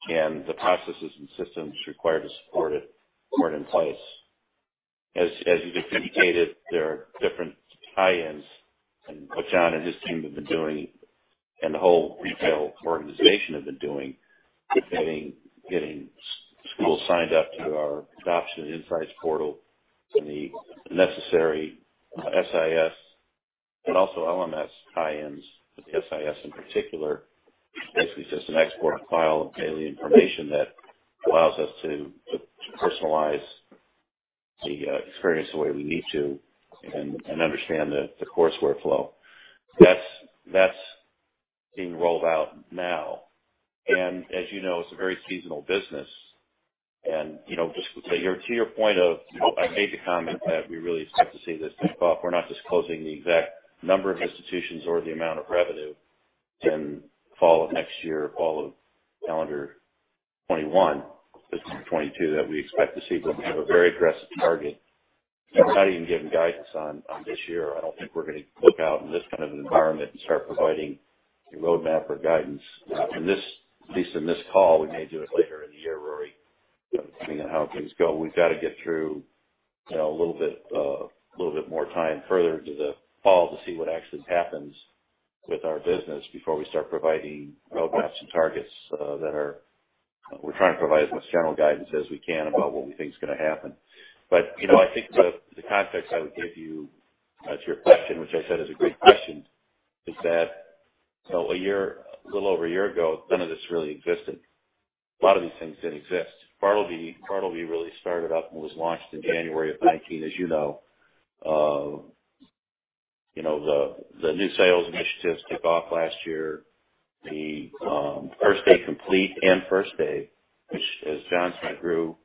and the processes and systems required to support it weren't in place. As you've indicated, there are different tie-ins and what John and his team have been doing and the whole retail organization have been doing, getting school signed up to our Adoption & Insights Portal and the necessary SIS and also LMS tie-ins. The SIS in particular, is basically just an export file of daily information that allows us to personalize the experience the way we need to and understand the course workflow. That's being rolled out now. As you know, it's a very seasonal business. To your point of, I made the comment that we really expect to see this take off. We're not disclosing the exact number of institutions or the amount of revenue in fall of next year, fall of calendar 2021, fiscal 2022, that we expect to see. We have a very aggressive target. We're not even giving guidance on this year. I don't think we're going to look out in this kind of environment and start providing a roadmap or guidance, at least in this call. We may do it later in the year, Rory, depending on how things go. We've got to get through a little bit more time further into the fall to see what actually happens with our business before we start providing roadmaps and targets. We're trying to provide as much general guidance as we can about what we think is going to happen. I think the context I would give you to your question, which I said is a great question, is that a little over a year ago, none of this really existed. A lot of these things didn't exist. Bartleby really started up and was launched in January of 2019, as you know. The new sales initiatives kicked off last year. The First Day Complete and First Day, which as John said, grew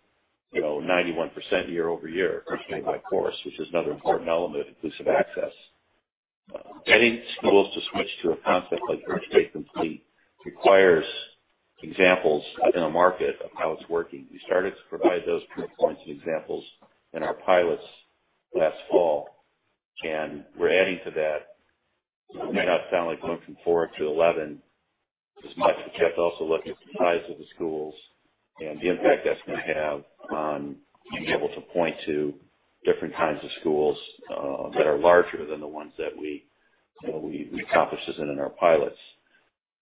91% year-over-year, First Day By Course, which is another important element, inclusive access. Getting schools to switch to a concept like First Day Complete requires examples in the market of how it's working. We started to provide those proof points and examples in our pilots last fall, and we're adding to that. It may not sound like going from four to 11 as much, but you have to also look at the size of the schools and the impact that's going to have on being able to point to different kinds of schools that are larger than the ones that we accomplished this in in our pilots.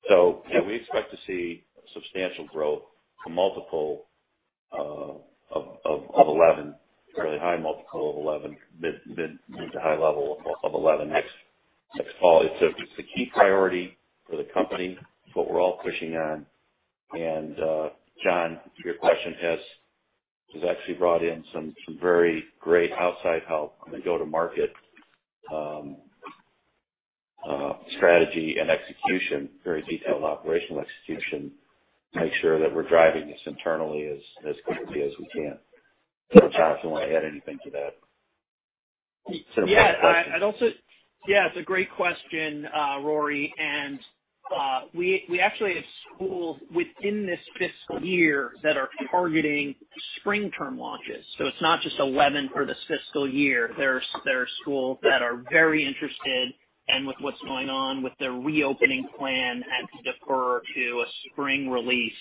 Yeah, we expect to see substantial growth, a multiple of 11, a fairly high multiple of 11, mid to high level of 11 next fall. It's a key priority for the company. It's what we're all pushing on. John, your question has actually brought in some very great outside help on the go-to-market strategy and execution, very detailed operational execution to make sure that we're driving this internally as quickly as we can. John, if you want to add anything to that. Yeah, it's a great question, Rory. We actually have schools within this fiscal year that are targeting spring term launches. It's not just 11 for this fiscal year. There are schools that are very interested and with what's going on with their reopening plan, have to defer to a spring release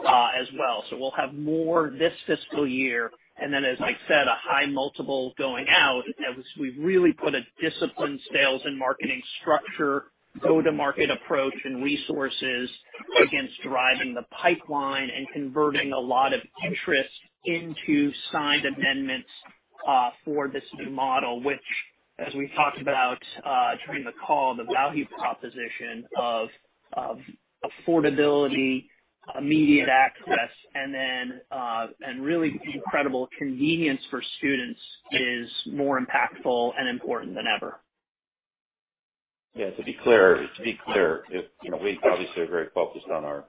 as well. We'll have more this fiscal year, then, as I said, a high multiple going out as we've really put a disciplined sales and marketing structure, go-to-market approach, and resources against driving the pipeline and converting a lot of interest into signed amendments for this new model. Which, as we talked about during the call, the value proposition of affordability, immediate access, and really incredible convenience for students is more impactful and important than ever. Yeah, to be clear, we obviously are very focused on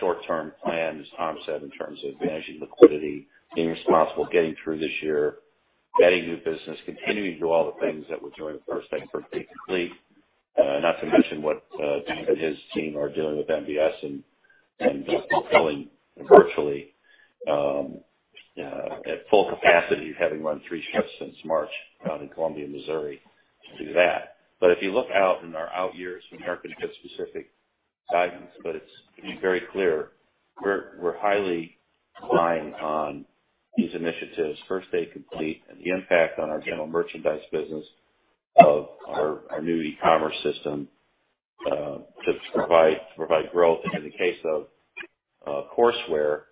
short-term plans, Tom said, in terms of managing liquidity, being responsible, getting through this year, getting new business, continuing to do all the things that we're doing with First Day Complete. Not to mention what Dave and his team are doing with MBS and fulfilling virtually, at full capacity, having run three shifts since March out in Columbia, Missouri to do that. If you look out in our out years, we aren't going to give specific guidance. To be very clear, we're highly relying on these initiatives, First Day Complete, and the impact on our general merchandise business of our new e-commerce system, to provide growth in the case of courseware,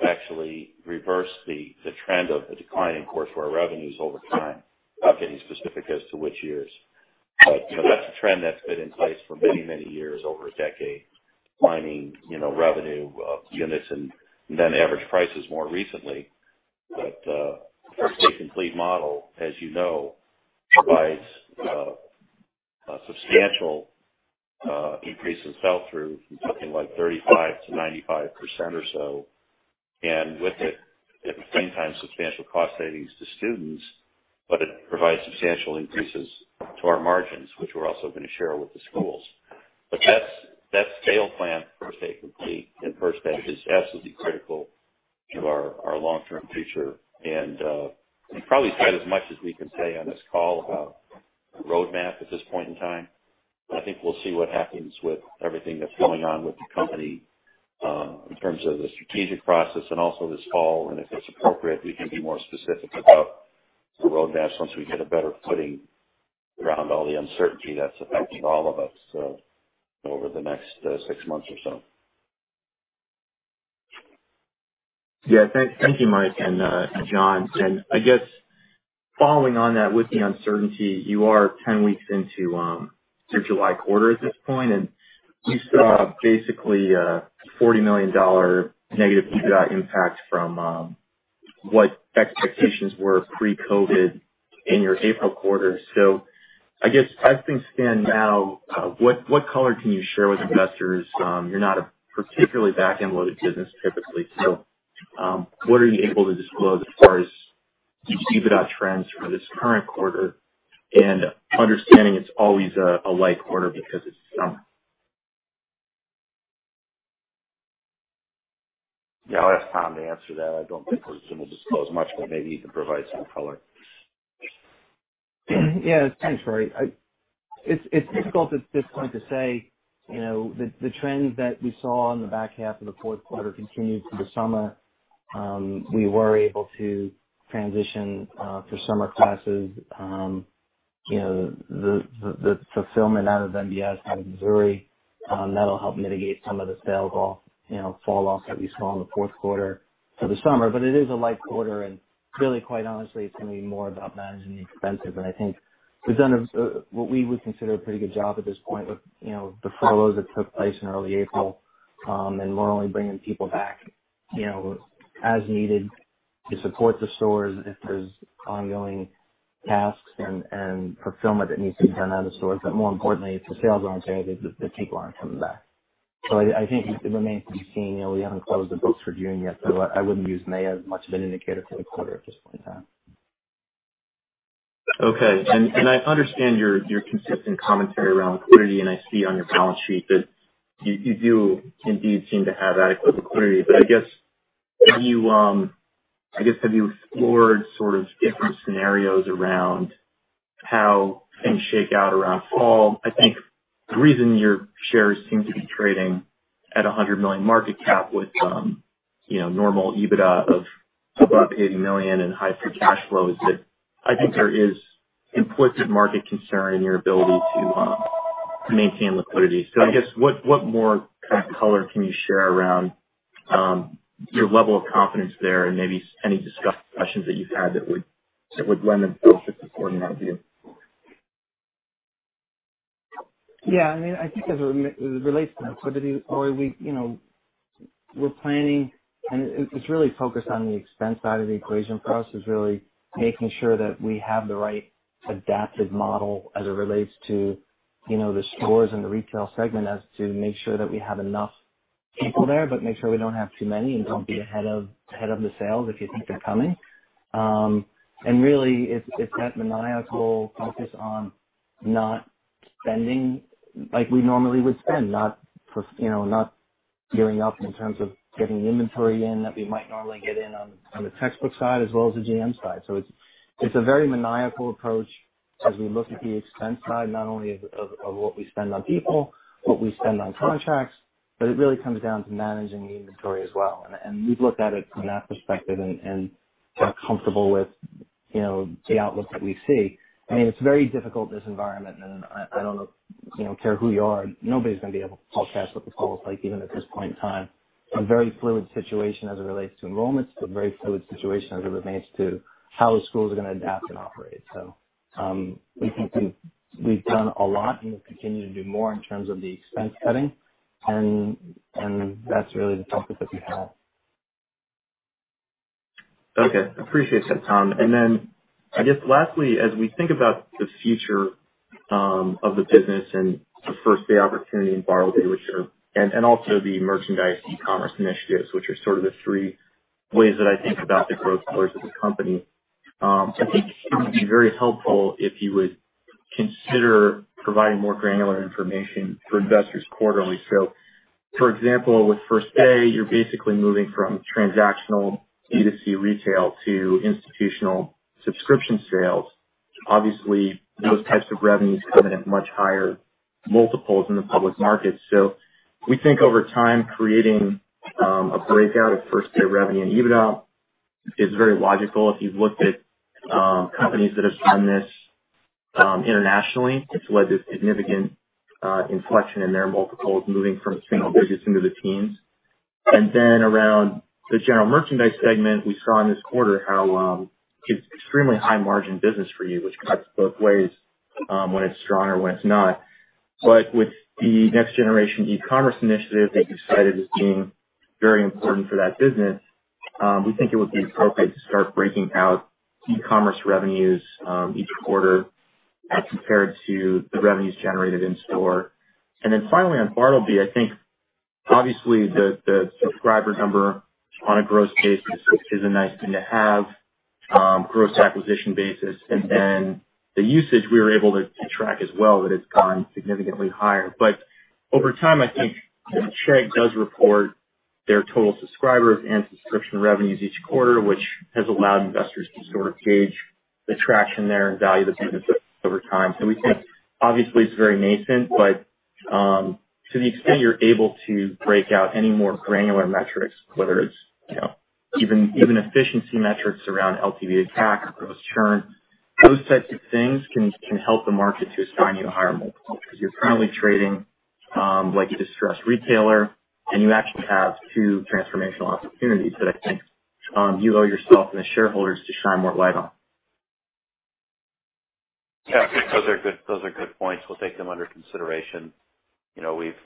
to actually reverse the trend of the decline in courseware revenues over time. Not getting specific as to which years. That's a trend that's been in place for many years, over a decade, declining revenue, units, and then average prices more recently. First Day Complete model, as you know, provides a substantial increase in sell-through from something like 35% to 95% or so. With it, at the same time, substantial cost savings to students, but it provides substantial increases to our margins, which we're also going to share with the schools. That scale plan, First Day Complete and First Day, is absolutely critical to our long-term future. We've probably said as much as we can say on this call about the roadmap at this point in time. I think we'll see what happens with everything that's going on with the company, in terms of the strategic process and also this fall, and if it's appropriate, we can be more specific about the roadmap once we get a better footing around all the uncertainty that's affecting all of us over the next six months or so. Thank you, Mike and John. I guess following on that, with the uncertainty, you are 10 weeks into your July quarter at this point, and we saw basically a $40 million negative EBITDA impact from what expectations were pre-COVID in your April quarter. I guess as things stand now, what color can you share with investors? You're not a particularly back-end loaded business typically. What are you able to disclose as far as your EBITDA trends for this current quarter? Understanding it's always a light quarter because it's summer. Yeah, I'll ask Tom to answer that. I don't think we're going to disclose much, but maybe he can provide some color. Yeah. Thanks, Rory. It's difficult at this point to say, the trends that we saw in the back half of the fourth quarter continued through the summer. We were able to transition, for summer classes. The fulfillment out of MBS, out of Missouri, that'll help mitigate some of the sales fall off that we saw in the fourth quarter for the summer. It is a light quarter, and really quite honestly, it's going to be more about managing the expenses. I think we've done what we would consider a pretty good job at this point with the furloughs that took place in early April, and we're only bringing people back as needed to support the stores if there's ongoing tasks and fulfillment that needs to be done out of the stores. More importantly, if the sales aren't there, the people aren't coming back. I think it remains to be seen. We haven't closed the books for June yet, so I wouldn't use May as much of an indicator for the quarter at this point in time. Okay. I understand your consistent commentary around liquidity, and I see on your balance sheet that you do indeed seem to have adequate liquidity. I guess, have you explored sort of different scenarios around how things shake out around fall? I think the reason your shares seem to be trading at $100 million market cap with normal EBITDA of above $80 million and high free cash flow is that I think there is important market concern in your ability to maintain liquidity. I guess what more kind of color can you share around your level of confidence there and maybe any discussions that you've had that would lend themselves to supporting that view? Yeah, I think as it relates to liquidity, Rory, we're planning, and it's really focused on the expense side of the equation for us, is really making sure that we have the right adapted model as it relates to the stores and the retail segment as to make sure that we have enough people there, but make sure we don't have too many and don't be ahead of the sales if you think they're coming. Really, it's that maniacal focus on not spending like we normally would spend, not gearing up in terms of getting the inventory in that we might normally get in on the textbook side as well as the GM side. It's a very maniacal approach as we look at the expense side, not only of what we spend on people, what we spend on contracts, but it really comes down to managing the inventory as well. We've looked at it from that perspective and feel comfortable with the outlook that we see. It's very difficult, this environment, and I don't care who you are, nobody's going to be able to forecast what the fall is like, even at this point in time. A very fluid situation as it relates to enrollments, a very fluid situation as it relates to how the schools are going to adapt and operate. We think we've done a lot and will continue to do more in terms of the expense cutting, and that's really the topic that we have Okay. Appreciate that, Tom. I guess lastly, as we think about the future of the business and the First Day opportunity in Bartleby Reserve and also the merchandise e-commerce initiatives, which are sort of the three ways that I think about the growth levers of the company. I think it would be very helpful if you would consider providing more granular information for investors quarterly. For example, with First Day, you're basically moving from transactional B2C retail to institutional subscription sales. Obviously, those types of revenues come in at much higher multiples in the public markets. We think over time, creating a breakout of First Day revenue and EBITDA is very logical. If you've looked at companies that have done this internationally, it's led to significant inflection in their multiples moving from single digits into the teens. Around the general merchandise segment, we saw in this quarter how it's extremely high-margin business for you, which cuts both ways when it's strong or when it's not. With the next generation e-commerce initiative that you've cited as being very important for that business, we think it would be appropriate to start breaking out e-commerce revenues each quarter as compared to the revenues generated in-store. Finally, on Bartleby, I think obviously the subscriber number on a gross basis is a nice thing to have, gross acquisition basis, and then the usage we were able to track as well, that it's gone significantly higher. Over time, I think Chegg does report their total subscribers and subscription revenues each quarter, which has allowed investors to sort of gauge the traction there and value the business over time. We think obviously it's very nascent, but to the extent you're able to break out any more granular metrics, whether it's even efficiency metrics around LTV, CAC, or gross churn, those types of things can help the market to assign you a higher multiple because you're currently trading like a distressed retailer, and you actually have two transformational opportunities that I think you owe yourself and the shareholders to shine more light on. Yeah. Those are good points. We'll take them under consideration.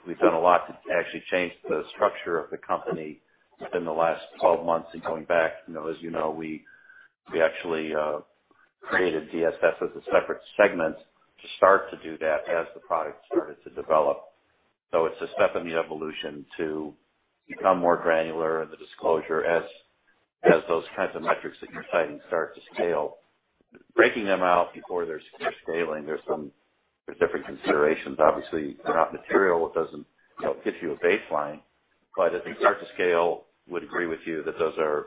We've done a lot to actually change the structure of the company within the last 12 months and going back. As you know, we actually created DSS as a separate segment to start to do that as the product started to develop. It's a step in the evolution to become more granular in the disclosure as those kinds of metrics that you're citing start to scale. Breaking them out before they're scaling, there's different considerations. Obviously, they're not material. It doesn't give you a baseline. As they start to scale, would agree with you that those are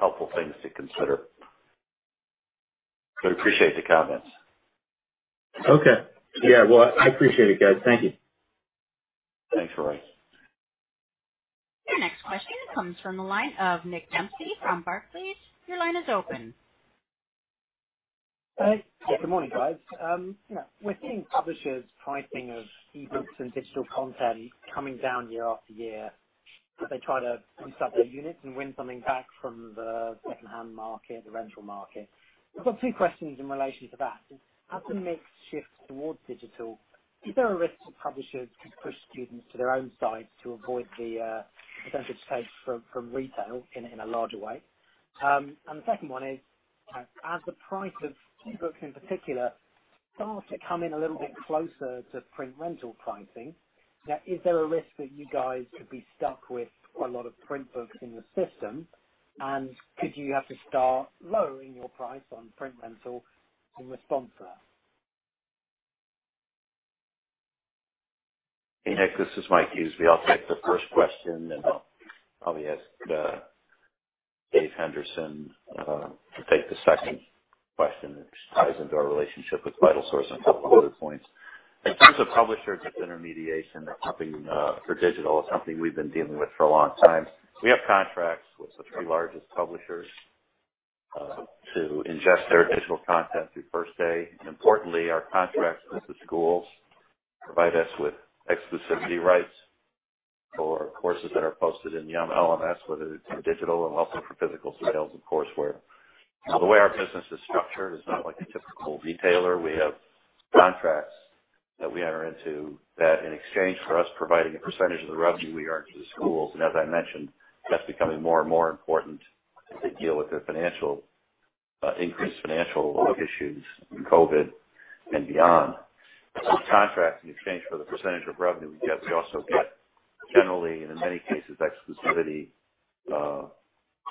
helpful things to consider. Appreciate the comments. Okay. Yeah. Well, I appreciate it, guys. Thank you. Thanks, Rory. Your next question comes from the line of Nick Dempsey from Barclays. Your line is open. Yeah. Good morning, guys. We're seeing publishers' pricing of e-books and digital content coming down year after year as they try to boost up their units and win something back from the secondhand market, the rental market. I've got two questions in relation to that. As we make shifts towards digital, is there a risk to publishers to push students to their own sites to avoid the percentage take from retail in a larger way? The second one is, as the price of e-books in particular starts to come in a little bit closer to print rental pricing, is there a risk that you guys could be stuck with a lot of print books in the system, and could you have to start lowering your price on print rental in response to that? Hey, Nick. This is Mike Huseby. I'll take the first question, and then I'll probably ask Dave Henderson to take the second question, which ties into our relationship with VitalSource and a couple of other points. In terms of publisher disintermediation or pumping for digital is something we've been dealing with for a long time. We have contracts with the three largest publishers to ingest their digital content through First Day. Importantly, our contracts with the schools provide us with exclusivity rights for courses that are posted in Yum LMS, whether it's for digital and also for physical sales of courseware. The way our business is structured is not like a typical retailer. We have contracts that we enter into that in exchange for us providing a percentage of the revenue we earn to the schools. As I mentioned, that's becoming more and more important as they deal with their increased financial issues in COVID and beyond. Those contracts, in exchange for the percentage of revenue we get, we also get, generally and in many cases, exclusivity,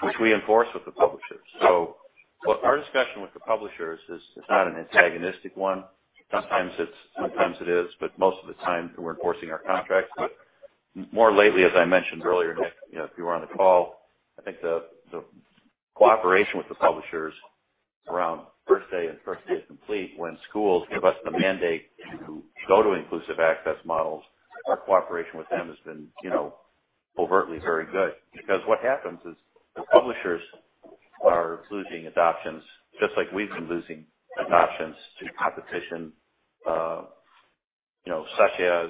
which we enforce with the publishers. Our discussion with the publishers is not an antagonistic one. Sometimes it is, but most of the time we're enforcing our contracts. More lately, as I mentioned earlier, Nick, if you were on the call, I think the cooperation with the publishers around First Day and First Day Complete, when schools give us the mandate to go to inclusive access models, our cooperation with them has been overtly very good. What happens is the publishers are losing adoptions, just like we've been losing adoptions to competition such as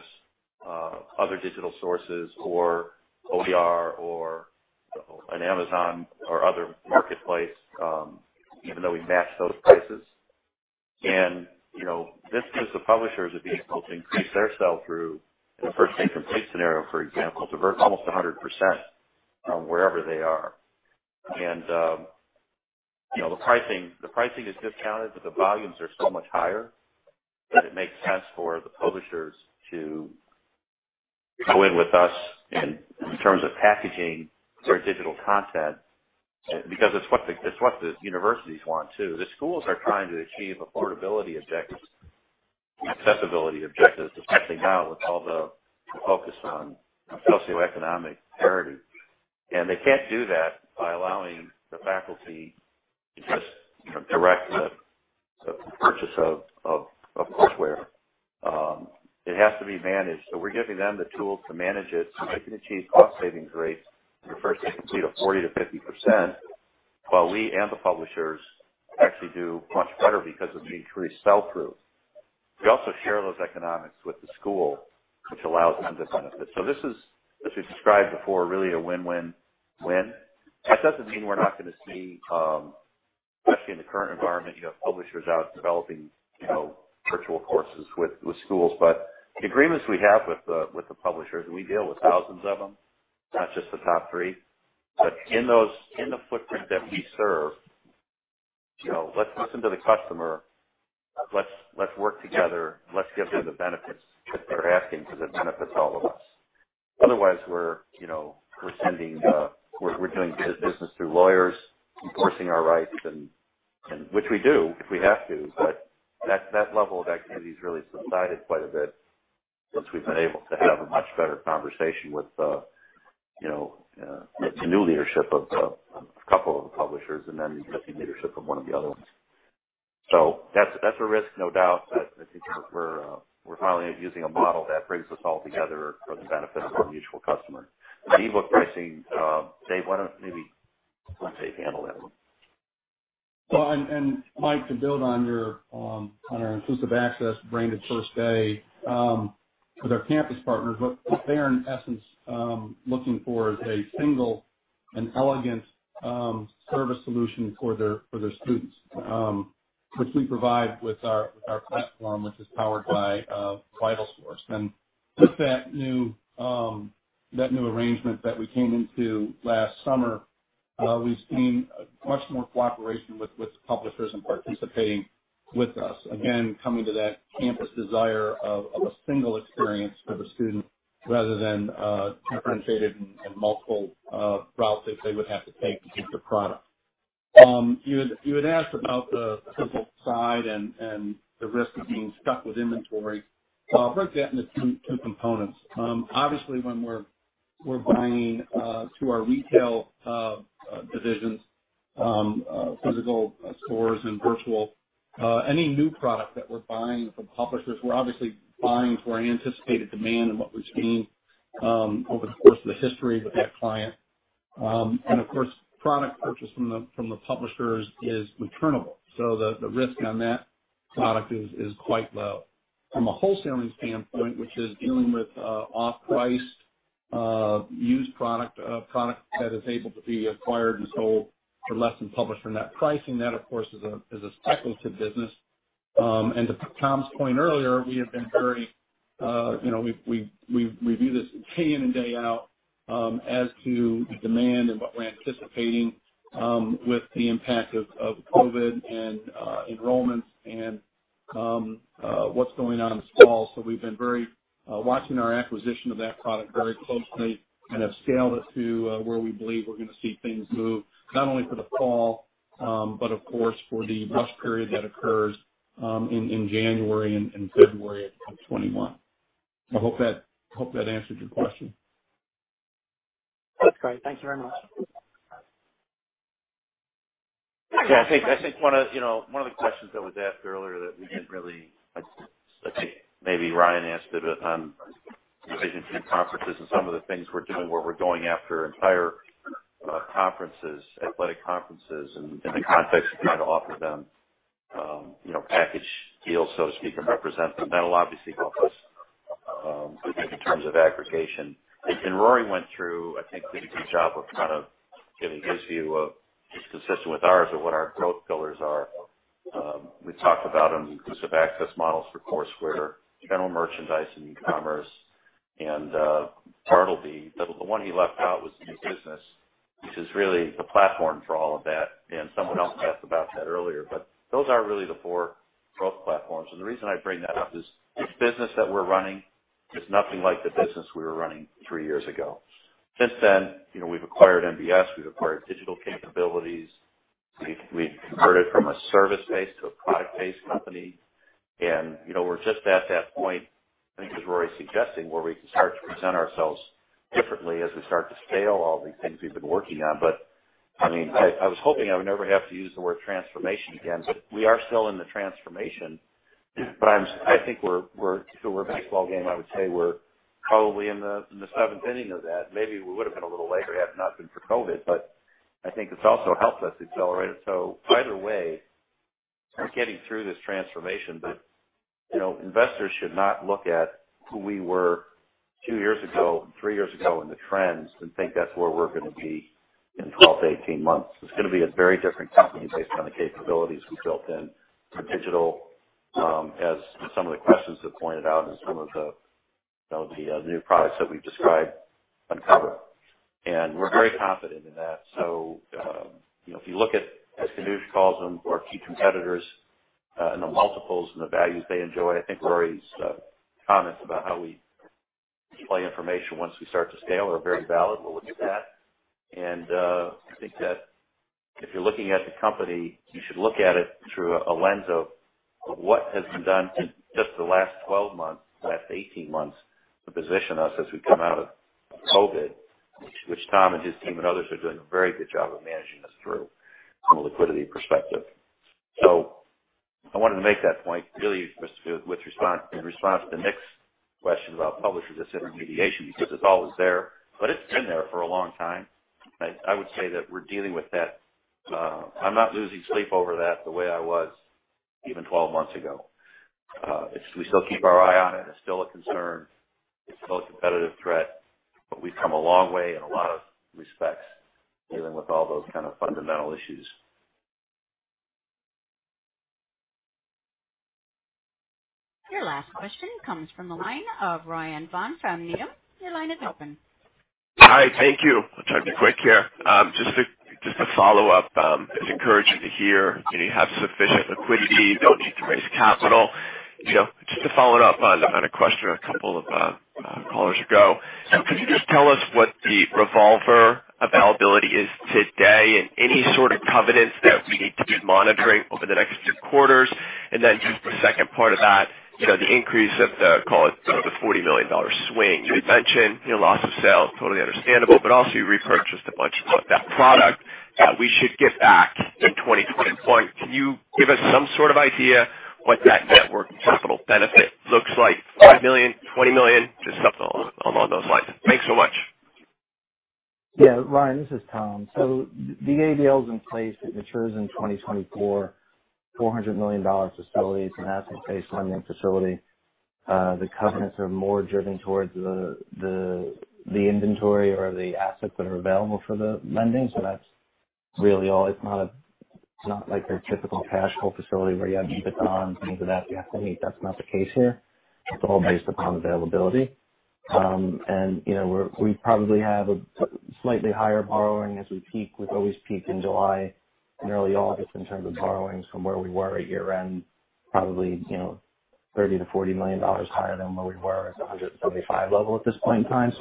other digital sources or OER or an Amazon or other marketplace even though we match those prices. This gives the publishers the ability to increase their sell-through in a First Day Complete scenario, for example, to almost 100% wherever they are. The pricing is discounted, but the volumes are so much higher that it makes sense for the publishers to go in with us in terms of packaging their digital content, because it's what the universities want, too. The schools are trying to achieve affordability objectives and accessibility objectives, especially now with all the focus on socioeconomic parity. They can't do that by allowing the faculty to just direct the purchase of courseware. It has to be managed. We're giving them the tools to manage it so they can achieve cost-savings rates, in a First Day Complete, of 40%-50%, while we and the publishers actually do much better because of the increased sell-through. We also share those economics with the school, which allows them to benefit. This is, as we've described before, really a win-win-win. That doesn't mean we're not going to see, especially in the current environment, publishers out developing virtual courses with schools. The agreements we have with the publishers, and we deal with thousands of them, not just the top three. In the footprint that we serve, let's listen to the customer. Let's work together. Let's give them the benefits that they're asking for, that benefits all of us. Otherwise, we're doing business through lawyers, enforcing our rights, which we do if we have to. That level of activity has really subsided quite a bit since we've been able to have a much better conversation with the new leadership of a couple of the publishers and then the existing leadership of one of the other ones. That's a risk, no doubt, but I think we're finally using a model that brings us all together for the benefit of our mutual customer. The eBook pricing, Dave, why don't maybe let Dave handle that one? Well, Mike, to build on our Inclusive Access branded First Day. With our campus partners, what they're, in essence, looking for is a single and elegant service solution for their students, which we provide with our platform, which is powered by VitalSource. With that new arrangement that we came into last summer, we've seen much more cooperation with publishers and participating with us. Again, coming to that campus desire of a single experience for the student, rather than differentiated and multiple routes that they would have to take to get their product. You had asked about the physical side and the risk of being stuck with inventory. I'll break that into two components. When we're buying through our retail divisions, physical stores and virtual, any new product that we're buying from publishers, we're obviously buying for an anticipated demand and what we've seen over the course of the history with that client. Of course, product purchased from the publishers is returnable. The risk on that product is quite low. From a wholesaling standpoint, which is dealing with off-price, used product that is able to be acquired and sold for less than publisher net pricing, that, of course, is a cyclical business. To Tom Donohue's point earlier, we view this day in and day out as to the demand and what we're anticipating with the impact of COVID and enrollments and what's going on this fall. We've been watching our acquisition of that product very closely and have scaled it to where we believe we're going to see things move, not only for the fall, but of course, for the rush period that occurs in January and February of 2021. I hope that answered your question. That's great. Thank you very much. Yeah, I think one of the questions that was asked earlier, I think maybe Ryan asked it, on Division II conferences and some of the things we're doing, where we're going after entire athletic conferences in the context of trying to offer them package deals, so to speak, and represent them. That'll obviously help us in terms of aggregation. Rory went through, I think, did a good job of giving his view of, just consistent with ours, of what our growth pillars are. We talked about on the Inclusive Access models for Courseware, general merchandise, and eCommerce, and Bartleby. The one he left out was new business, which is really the platform for all of that, and someone else asked about that earlier. Those are really the four growth platforms. The reason I bring that up is this business that we're running is nothing like the business we were running three years ago. Since then, we've acquired MBS, we've acquired digital capabilities. We've converted from a service-based to a product-based company. We're just at that point, I think as Rory's suggesting, where we can start to present ourselves differently as we start to scale all these things we've been working on. I was hoping I would never have to use the word transformation again, but we are still in the transformation. I think if it were a baseball game, I would say we're probably in the seventh inning of that. Maybe we would've been a little later had it not been for COVID, but I think it's also helped us accelerate it. Either way, we're getting through this transformation. Investors should not look at who we were two years ago, three years ago in the trends and think that's where we're going to be in 12 to 18 months. It's going to be a very different company based on the capabilities we built in for digital, as some of the questions have pointed out and some of the new products that we've described on cover. We're very confident in that. If you look at, as Kanuj calls them, our key competitors, and the multiples and the values they enjoy, I think Rory's comments about how we display information once we start to scale are very valid. We'll look at that. I think that if you're looking at the company, you should look at it through a lens of what has been done in just the last 12 months, the last 18 months, to position us as we come out of COVID, which Tom and his team and others are doing a very good job of managing us through from a liquidity perspective. I wanted to make that point really in response to Nick's question about publisher disintermediation, because it's always there, but it's been there for a long time. I would say that we're dealing with that. I'm not losing sleep over that the way I was even 12 months ago. We still keep our eye on it. It's still a concern. It's still a competitive threat. We've come a long way in a lot of respects dealing with all those kind of fundamental issues. Your last question comes from the line of Ryan Vaughan from Needham. Your line is open. Hi, thank you. I'll try to be quick here. Just a follow-up. It's encouraging to hear you have sufficient liquidity, don't need to raise capital. Just to follow it up on a question a couple of callers ago. Could you just tell us what the revolver availability is today and any sort of covenants that we need to be monitoring over the next two quarters? The second part of that, the increase of the, call it, the $40 million swing. You had mentioned loss of sales, totally understandable. You repurchased a bunch of that product that we should get back in 2020. Can you give us some sort of idea what that net working capital benefit looks like? $5 million, $20 million? Just something along those lines. Thanks so much. Yeah, Ryan, this is Tom. The ABL is in place. It matures in 2024. $400 million facility. It's an asset-based lending facility. The covenants are more driven towards the inventory or the assets that are available for the lending. That's really all. It's not like your typical cash flow facility where you have to keep it on and things of that nature. That's not the case here. It's all based upon availability. We probably have a slightly higher borrowing as we peak. We've always peaked in July and early August in terms of borrowings from where we were at year-end, probably $30 million-$40 million higher than where we were as $175 level at this point in time.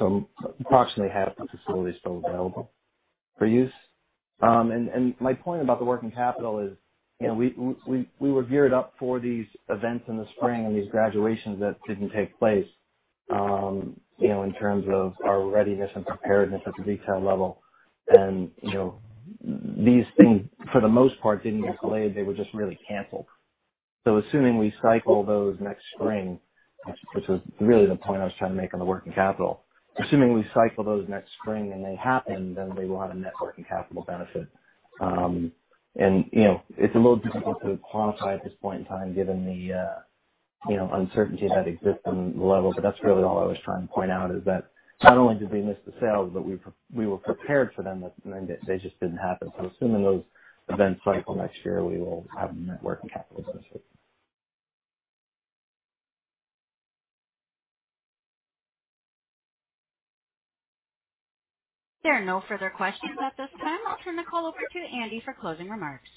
Approximately half the facility is still available for use. My point about the working capital is we were geared up for these events in the spring and these graduations that didn't take place, in terms of our readiness and preparedness at the detail level. These things, for the most part, didn't get delayed. They were just really canceled. Assuming we cycle those next spring, which was really the point I was trying to make on the working capital, assuming we cycle those next spring and they happen, then we will have a net working capital benefit. It's a little difficult to quantify at this point in time given the uncertainty that exists on the level. That's really all I was trying to point out, is that not only did we miss the sales, but we were prepared for them, and they just didn't happen. Assuming those events cycle next year, we will have a net working capital benefit. There are no further questions at this time. I'll turn the call over to Andy for closing remarks.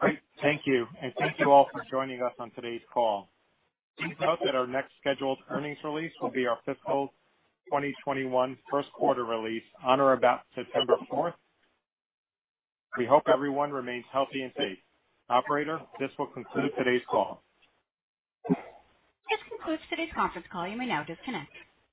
Great. Thank you. Thank you all for joining us on today's call. Please note that our next scheduled earnings release will be our fiscal 2021 first quarter release on or about September fourth. We hope everyone remains healthy and safe. Operator, this will conclude today's call. This concludes today's conference call. You may now disconnect.